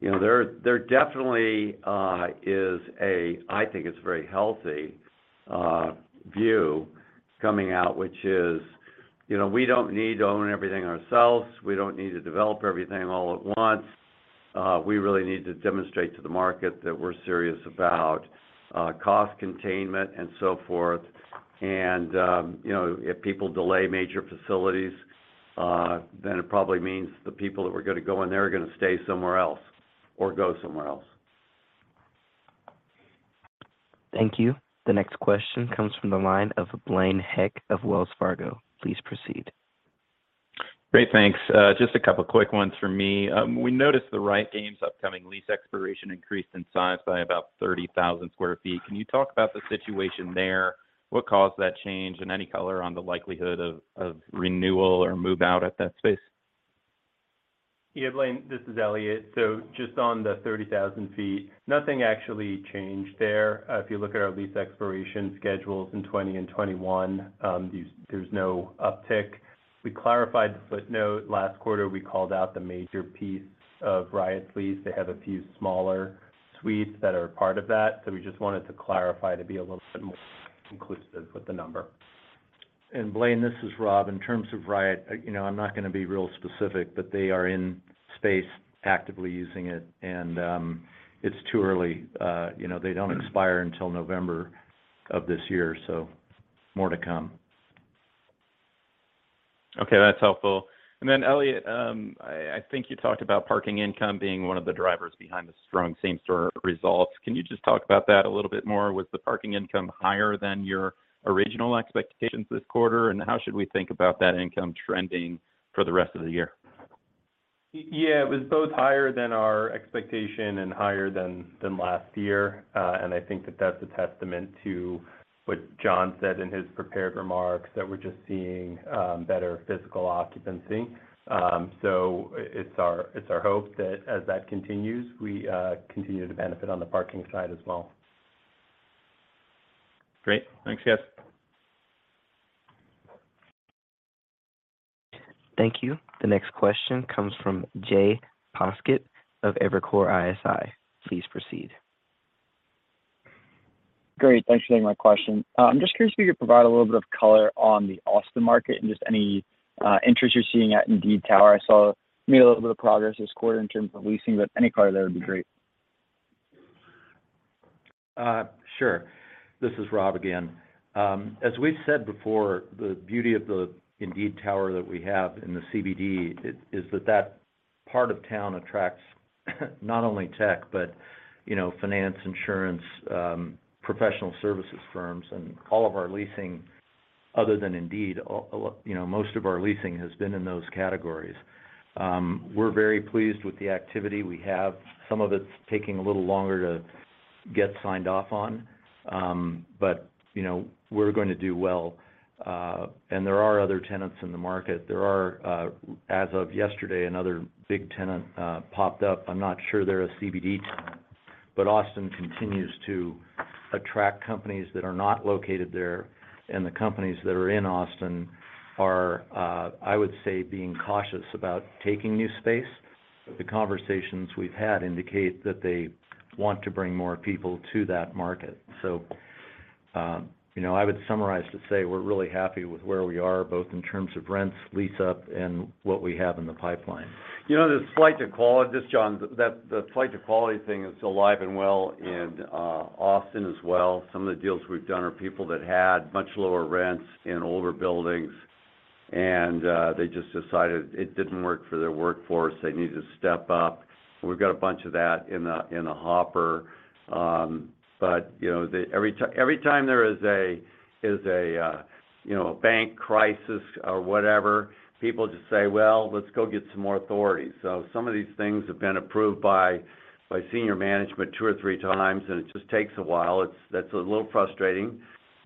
You know, there definitely is a, I think it's very healthy view coming out, which is, you know, we don't need to own everything ourselves. We don't need to develop everything all at once. We really need to demonstrate to the market that we're serious about cost containment and so forth. You know, if people delay major facilities, then it probably means the people that were gonna go in there are gonna stay somewhere else or go somewhere else. Thank you. The next question comes from the line of Blaine Heck of Wells Fargo. Please proceed. Great. Thanks. just a couple quick ones from me. We noticed the Riot Games' upcoming lease expiration increased in size by about 30,000 sq ft. Can you talk about the situation there? What caused that change, and any color on the likelihood of renewal or move out at that space? Yeah, Blaine, this is Eliott. Just on the 30,000 feet, nothing actually changed there. If you look at our lease expiration schedules in 2020 and 2021, there's no uptick. We clarified the footnote. Last quarter, we called out the major piece of Riot lease. They have a few smaller suites that are part of that. We just wanted to clarify to be a little bit more conclusive with the number. Blaine, this is Rob. In terms of Riot, you know, I'm not gonna be real specific, but they are in space actively using it, and it's too early. You know, they don't expire until November of this year, more to come. Okay, that's helpful. Then, Eliott, I think you talked about parking income being one of the drivers behind the strong same-store results. Can you just talk about that a little bit more? Was the parking income higher than your original expectations this quarter, and how should we think about that income trending for the rest of the year? Yeah. It was both higher than our expectation and higher than last year. I think that that's a testament to what John said in his prepared remarks, that we're just seeing better physical occupancy. It's our hope that as that continues, we continue to benefit on the parking side as well. Great. Thanks, guys. Thank you. The next question comes from Jay Poskitt of Evercore ISI. Please proceed. Great. Thanks for taking my question. I'm just curious if you could provide a little bit of color on the Austin market and just any interest you're seeing at Indeed Tower. I saw you made a little bit of progress this quarter in terms of leasing. Any color there would be great. Sure. This is Rob again. As we've said before, the beauty of the Indeed Tower that we have in the CBD is that that part of town attracts not only tech, but, you know, finance, insurance, professional services firms. All of our leasing, other than Indeed, you know, most of our leasing has been in those categories. We're very pleased with the activity we have. Some of it's taking a little longer to get signed off on, but, you know, we're going to do well. There are other tenants in the market. There are, as of yesterday, another big tenant, popped up. I'm not sure they're a CBD tenant, but Austin continues to attract companies that are not located there, and the companies that are in Austin are, I would say, being cautious about taking new space. The conversations we've had indicate that they want to bring more people to that market. You know, I would summarize to say we're really happy with where we are, both in terms of rents, lease-up, and what we have in the pipeline. You know, the flight to quality. This is John. The flight to quality thing is still alive and well in Austin as well. Some of the deals we've done are people that had much lower rents in older buildings, and they just decided it didn't work for their workforce. They needed to step up. We've got a bunch of that in a hopper. You know, every time there is a, you know, a bank crisis or whatever, people just say, "Well, let's go get some more authority." Some of these things have been approved by senior management two or three times, and it just takes a while. That's a little frustrating,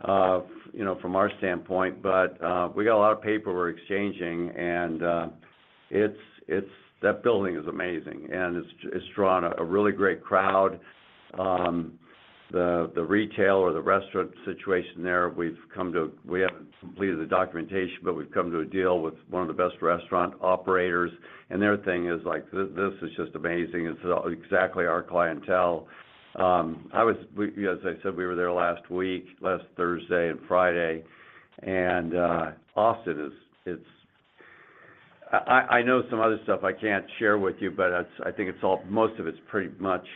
you know, from our standpoint, but we got a lot of paperwork exchanging. That building is amazing, and it's drawn a really great crowd. The retail or the restaurant situation there, we haven't completed the documentation, but we've come to a deal with one of the best restaurant operators. Their thing is, like, "This is just amazing. This is exactly our clientele." As I said, we were there last week, last Thursday and Friday, and I know some other stuff I can't share with you, but I think most of it's pretty much,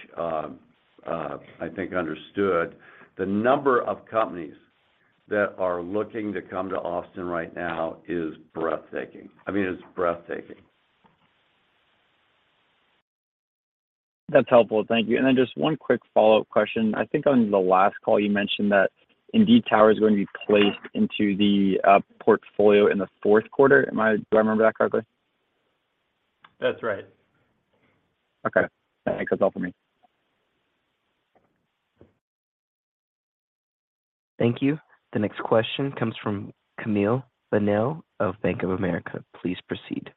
I think, understood. The number of companies that are looking to come to Austin right now is breathtaking. I mean, it's breathtaking. That's helpful. Thank you. Then just one quick follow-up question. I think on the last call you mentioned that Indeed Tower is going to be placed into the portfolio in the Q4. Do I remember that correctly? That's right. Okay. That's all for me. Thank you. The next question comes from Camille Linton of Bank of America. Please proceed.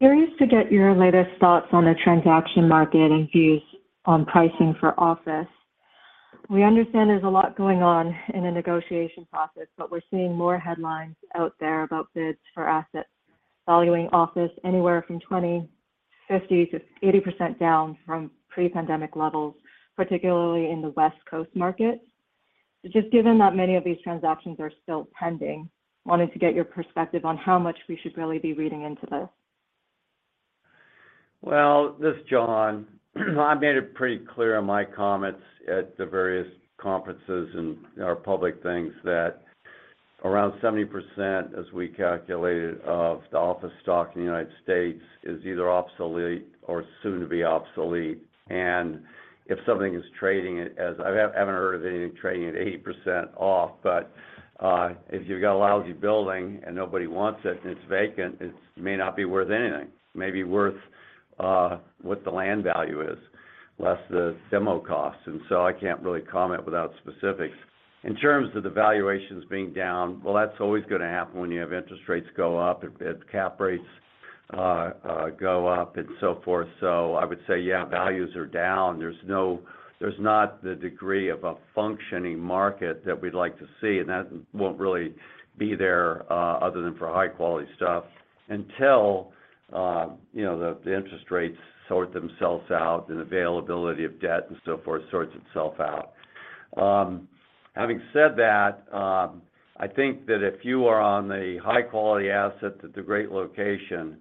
Curious to get your latest thoughts on the transaction market and views on pricing for office. We understand there's a lot going on in the negotiation process, we're seeing more headlines out there about bids for assets valuing office anywhere from 20%, 50%-80% down from pre-pandemic levels, particularly in the West Coast market. Given that many of these transactions are still pending, wanted to get your perspective on how much we should really be reading into this. This is John. I made it pretty clear in my comments at the various conferences and our public things that around 70%, as we calculated, of the office stock in the United States is either obsolete or soon to be obsolete. If something is trading I haven't heard of anything trading at 80% off. If you've got a lousy building and nobody wants it and it's vacant, it's may not be worth anything. It may be worth what the land value is, less the demo costs. I can't really comment without specifics. In terms of the valuations being down, that's always gonna happen when you have interest rates go up, if the cap rates go up and so forth. I would say, yeah, values are down. There's not the degree of a functioning market that we'd like to see. That won't really be there other than for high-quality stuff until, you know, the interest rates sort themselves out, the availability of debt and so forth sorts itself out. Having said that, I think that if you are on the high-quality asset that's a great location,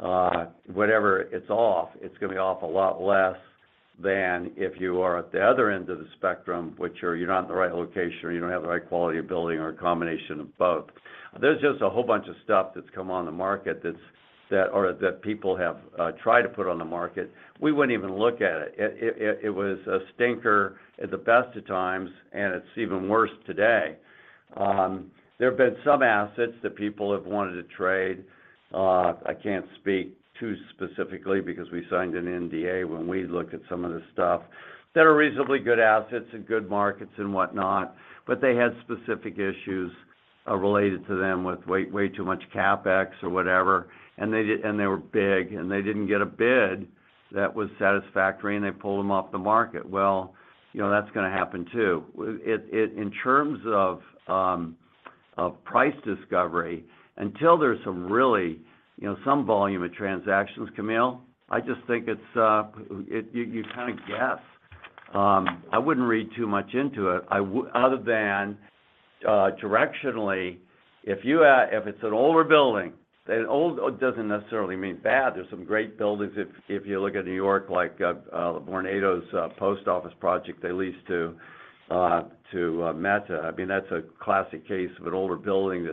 whatever it's off, it's gonna be off a lot less than if you are at the other end of the spectrum, which you're not in the right location, or you don't have the right quality of building or a combination of both. There's just a whole bunch of stuff that's come on the market that, or that people have tried to put on the market. We wouldn't even look at it. It was a stinker at the best of times, and it's even worse today. There have been some assets that people have wanted to trade, I can't speak too specifically because we signed an NDA when we looked at some of the stuff, that are reasonably good assets in good markets and what not, but they had specific issues related to them with way too much CapEx or whatever. They were big, and they didn't get a bid that was satisfactory, and they pulled them off the market. Well, you know, that's gonna happen too. In terms of price discovery, until there's some really, you know, some volume of transactions, Camille, I just think you kind of guess. I wouldn't read too much into it. Other than, directionally, if it's an older building, an old, doesn't necessarily mean bad. There's some great buildings if you look at New York, like Vornado's post office project they leased to Meta. I mean, that's a classic case of an older building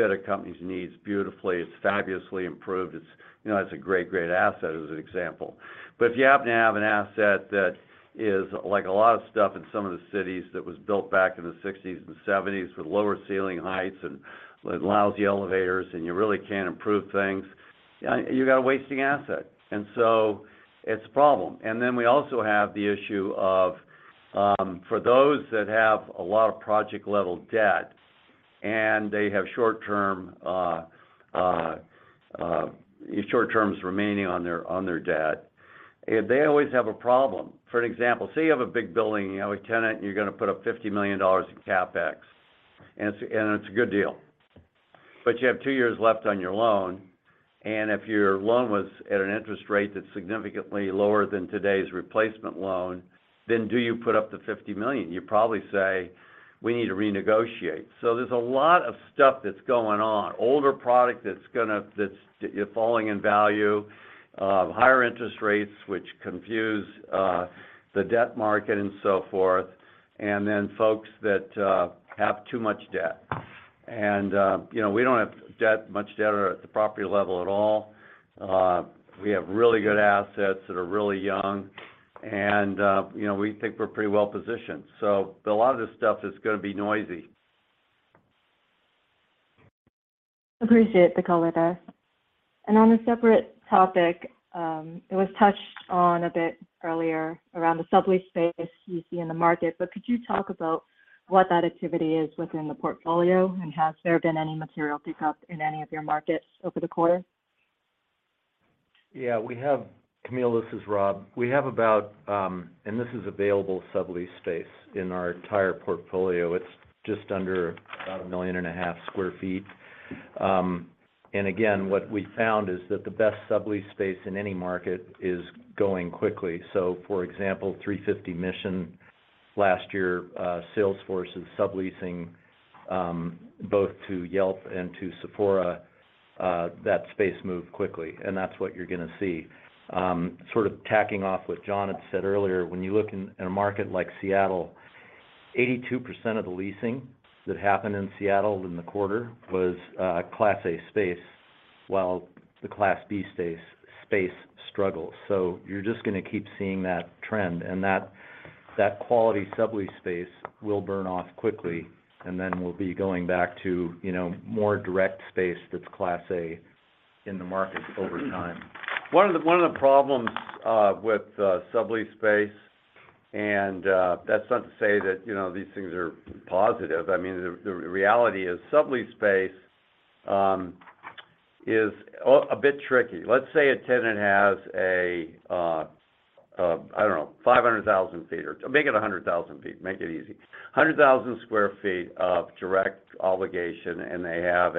that fit a company's needs beautifully. It's fabulously improved. It's, you know, that's a great asset as an example. If you happen to have an asset that is like a lot of stuff in some of the cities that was built back in the sixties and seventies with lower ceiling heights and lousy elevators, and you really can't improve things, you got a wasting asset. It's a problem. We also have the issue of for those that have a lot of project-level debt, and they have short-term short terms remaining on their debt, they always have a problem. For an example, say you have a big building, you have a tenant, and you're gonna put up $50 million in CapEx, and it's a good deal. You have two years left on your loan, and if your loan was at an interest rate that's significantly lower than today's replacement loan, then do you put up the $50 million? You probably say, we need to renegotiate. There's a lot of stuff that's going on. Older product that's falling in value, higher interest rates, which confuse the debt market and so forth, and then folks that have too much debt. You know, we don't have debt, much debt at the property level at all. We have really good assets that are really young and, you know, we think we're pretty well positioned. A lot of this stuff is gonna be noisy. Appreciate the color there. On a separate topic, it was touched on a bit earlier around the sublease space you see in the market, but could you talk about what that activity is within the portfolio, and has there been any material pickup in any of your markets over the quarter? Yeah, we have Camille, this is Rob. We have about, and this is available sublease space in our entire portfolio. It's just under about 1.5 million sq ft. Again, what we found is that the best sublease space in any market is going quickly. For example, 350 Mission last year, Salesforce is subleasing both to Yelp and to Sephora. That space moved quickly, and that's what you're gonna see. Sort of tacking off what John had said earlier, when you look in a market like Seattle, 82% of the leasing that happened in Seattle in the quarter was Class A space, while the Class B space struggles. You're just gonna keep seeing that trend, and that quality sublease space will burn off quickly, and then we'll be going back to, you know, more direct space that's class A in the market over time. One of the problems, with sublease space, and that's not to say that, you know, these things are positive. I mean, the reality is sublease space is a bit tricky. Let's say a tenant has a, I don't know, 500,000 feet or make it 100,000 feet, make it easy. 100,000 square feet of direct obligation, and they have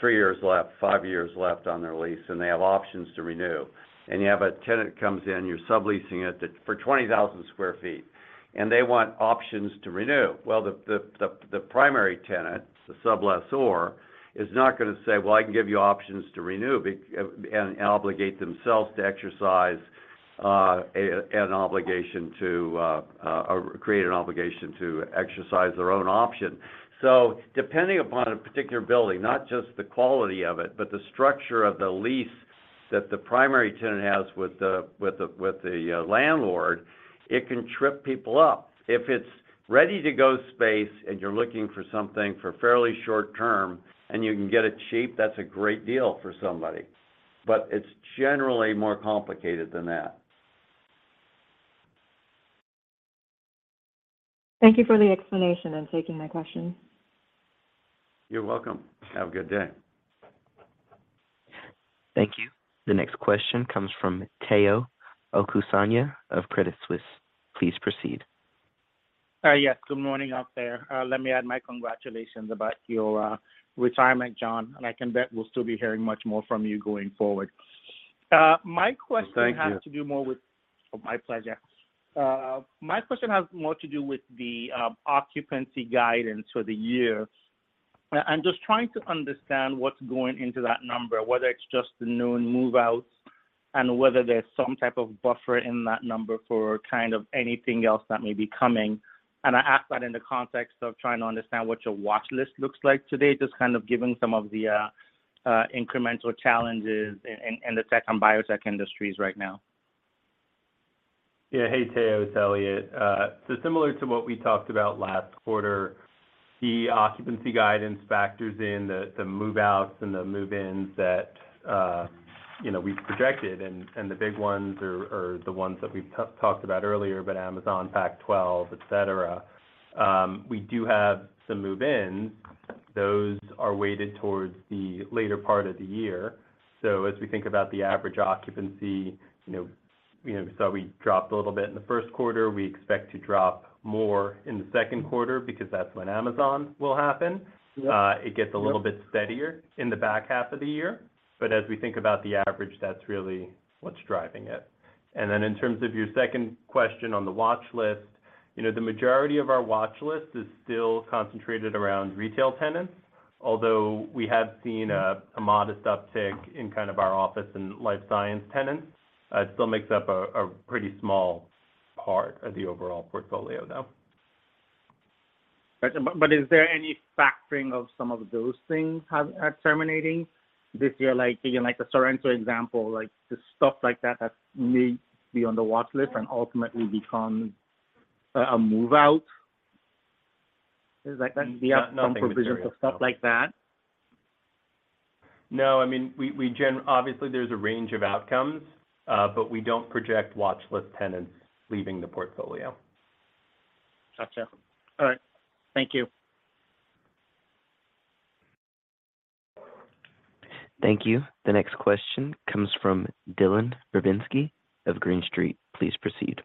3 years left, 5 years left on their lease, and they have options to renew. You have a tenant comes in, you're subleasing it for 20,000 square feet, and they want options to renew. Well, the primary tenant, the sublessor, is not gonna say, "Well, I can give you options to renew," and obligate themselves to exercise an obligation to create an obligation to exercise their own option. Depending upon a particular building, not just the quality of it, but the structure of the lease that the primary tenant has with the landlord, it can trip people up. If it's ready-to-go space and you're looking for something for fairly short term and you can get it cheap, that's a great deal for somebody. It's generally more complicated than that. Thank you for the explanation and taking my question. You're welcome. Have a good day. Thank you. The next question comes from Omotayo Okusanya of Credit Suisse. Please proceed. Yes, good morning out there. Let me add my congratulations about your retirement, John, and I can bet we'll still be hearing much more from you going forward. Thank you. -has to do more with... Oh, my pleasure. My question has more to do with the occupancy guidance for the year. I'm just trying to understand what's going into that number, whether it's just the known move-outs, and whether there's some type of buffer in that number for kind of anything else that may be coming. I ask that in the context of trying to understand what your watch list looks like today, just kind of given some of the incremental challenges in the tech and biotech industries right now. Yeah. Hey, Theo. It's Eliott. Similar to what we talked about last quarter, the occupancy guidance factors in the move-outs and the move-ins that, you know, we've projected, and the big ones are the ones that we've talked about earlier about Amazon Pac-12, et cetera. We do have some move-ins. Those are weighted towards the later part of the year. As we think about the average occupancy, you know, so we dropped a little bit in the Q1. We expect to drop more in the Q2 because that's when Amazon will happen. Yep. It gets a little bit steadier in the back half of the year. As we think about the average, that's really what's driving it. In terms of your second question on the watch list, you know, the majority of our watch list is still concentrated around retail tenants. Although we have seen a modest uptick in kind of our office and life science tenants, it still makes up a pretty small part of the overall portfolio, though. Is there any factoring of some of those things are terminating this year? Like, again, like the Sorrento example, like just stuff like that that may be on the watch list and ultimately become a move-out. No, nothing material, no. the outcome for provisions of stuff like that? No. I mean, we Obviously, there's a range of outcomes, but we don't project watch list tenants leaving the portfolio. Gotcha. All right. Thank you. Thank you. The next question comes from Dylan Burzinski of Green Street. Please proceed.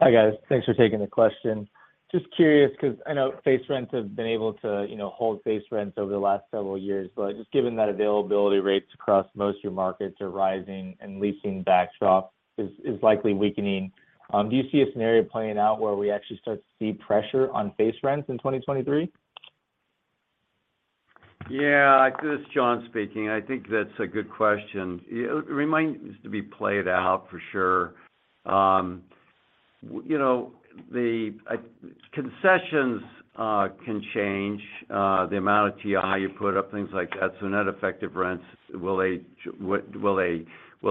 Hi, guys. Thanks for taking the question. Just curious because I know base rents have been able to, you know, hold base rents over the last several years. Just given that availability rates across most of your markets are rising and leasing backdrop is likely weakening, do you see a scenario playing out where we actually start to see pressure on base rents in 2023? Yeah. This is John speaking. I think that's a good question. It remains to be played out for sure. you know, concessions can change the amount of TI you put up, things like that. Net effective rents, will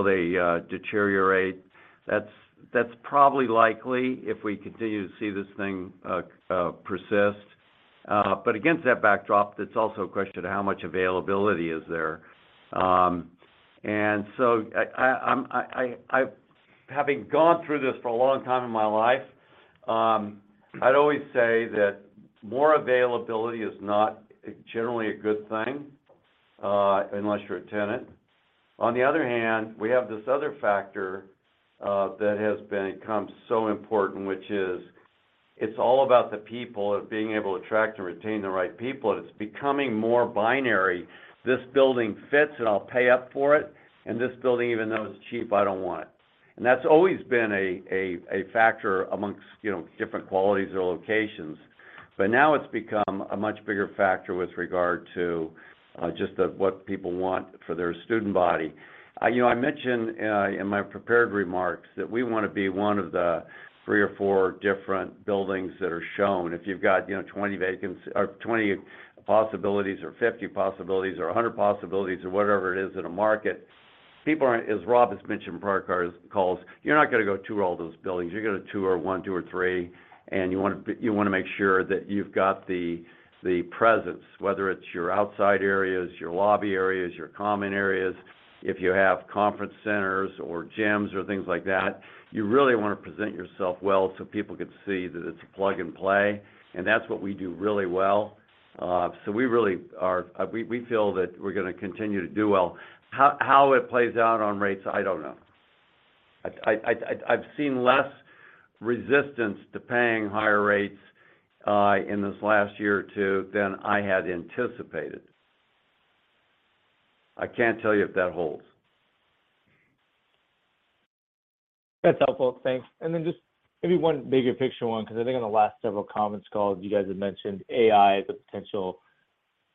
they deteriorate? That's probably likely if we continue to see this thing persist. Against that backdrop, it's also a question of how much availability is there. Having gone through this for a long time in my life, I'd always say that more availability is not generally a good thing unless you're a tenant. On the other hand, we have this other factor that has become so important, which is it's all about the people, of being able to attract and retain the right people, and it's becoming more binary. This building fits, and I'll pay up for it, and this building, even though it's cheap, I don't want it. That's always been a factor amongst, you know, different qualities or locations. Now it's become a much bigger factor with regard to just what people want for their student body. You know, I mentioned in my prepared remarks that we wanna be one of the 3 or 4 different buildings that are shown. If you've got, you know, 20 possibilities or 20 possibilities or 50 possibilities or 100 possibilities or whatever it is in a market, people aren't... As Rob has mentioned in prior calls, you're not gonna go tour all those buildings. You're gonna tour one, two, or three, and you wanna make sure that you've got the presence, whether it's your outside areas, your lobby areas, your common areas. If you have conference centers or gyms or things like that, you really wanna present yourself well so people can see that it's plug and play, and that's what we do really well. We feel that we're gonna continue to do well. How it plays out on rates, I don't know. I've seen less resistance to paying higher rates in this last year or two than I had anticipated. I can't tell you if that holds. That's helpful. Thanks. Then just maybe one bigger picture one, because I think on the last several comments calls, you guys have mentioned AI as a potential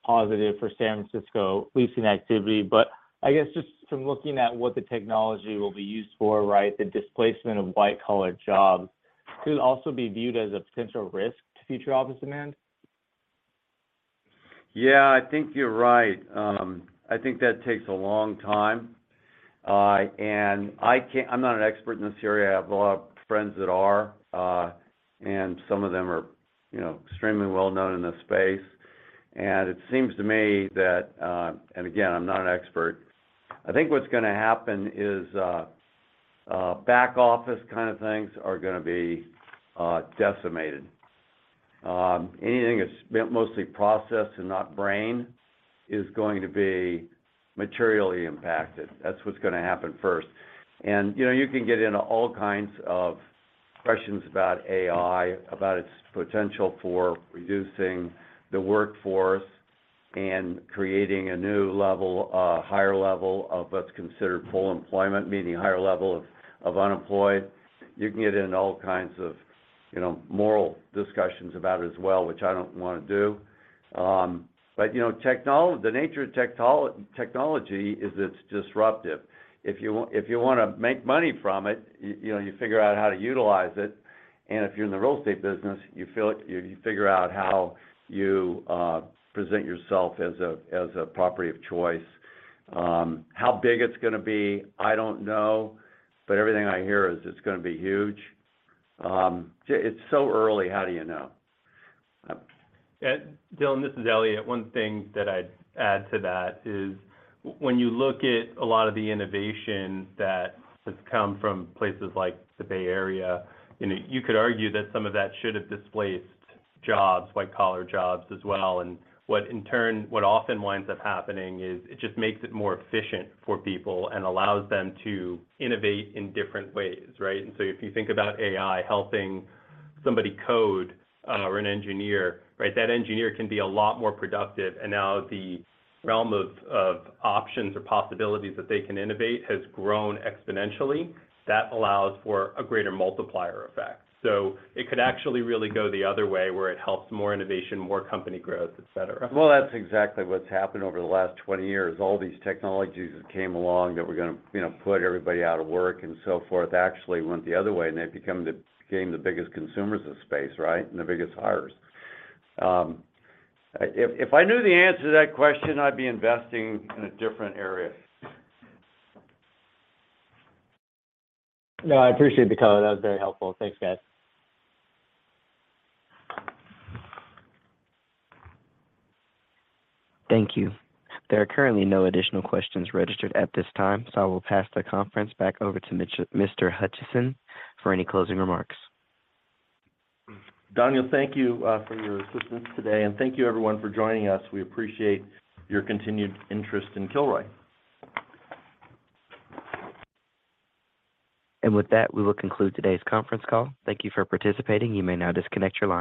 positive for San Francisco leasing activity. I guess just from looking at what the technology will be used for, right, the displacement of white-collar jobs could also be viewed as a potential risk to future office demand. Yeah, I think you're right. I think that takes a long time. I'm not an expert in this area. I have a lot of friends that are, and some of them are, you know, extremely well known in this space. It seems to me that, and again, I'm not an expert, I think what's gonna happen is back office kind of things are gonna be decimated. Anything that's mostly processed and not brain is going to be materially impacted. That's what's gonna happen first. You know, you can get into all kinds of questions about AI, about its potential for reducing the workforce and creating a new level, a higher level of what's considered full employment, meaning higher level of unemployed. You can get in all kinds of, you know, moral discussions about it as well, which I don't wanna do. You know, the nature of technology is it's disruptive. If you wanna make money from it, you know, you figure out how to utilize it, and if you're in the real estate business, you feel it, you figure out how you present yourself as a property of choice. How big it's gonna be, I don't know, everything I hear is it's gonna be huge. It's so early, how do you know? Dylan, this is Eliott. One thing that I'd add to that is when you look at a lot of the innovation that has come from places like the Bay Area, you know, you could argue that some of that should have displaced jobs, white collar jobs as well. What in turn often winds up happening is it just makes it more efficient for people and allows them to innovate in different ways, right? If you think about AI helping somebody code or an engineer, right? That engineer can be a lot more productive, and now the realm of options or possibilities that they can innovate has grown exponentially. That allows for a greater multiplier effect. It could actually really go the other way, where it helps more innovation, more company growth, etc. Well, that's exactly what's happened over the last 20 years. All these technologies that came along that were gonna, you know, put everybody out of work and so forth actually went the other way, and they've became the biggest consumers of space, right? The biggest hires. If I knew the answer to that question, I'd be investing in a different area. No, I appreciate the color. That was very helpful. Thanks, guys. Thank you. There are currently no additional questions registered at this time, so I will pass the conference back over to Mr. Hutcheson for any closing remarks. Danielle, thank you, for your assistance today. Thank you everyone for joining us. We appreciate your continued interest in Kilroy. With that, we will conclude today's conference call. Thank you for participating. You may now disconnect your line.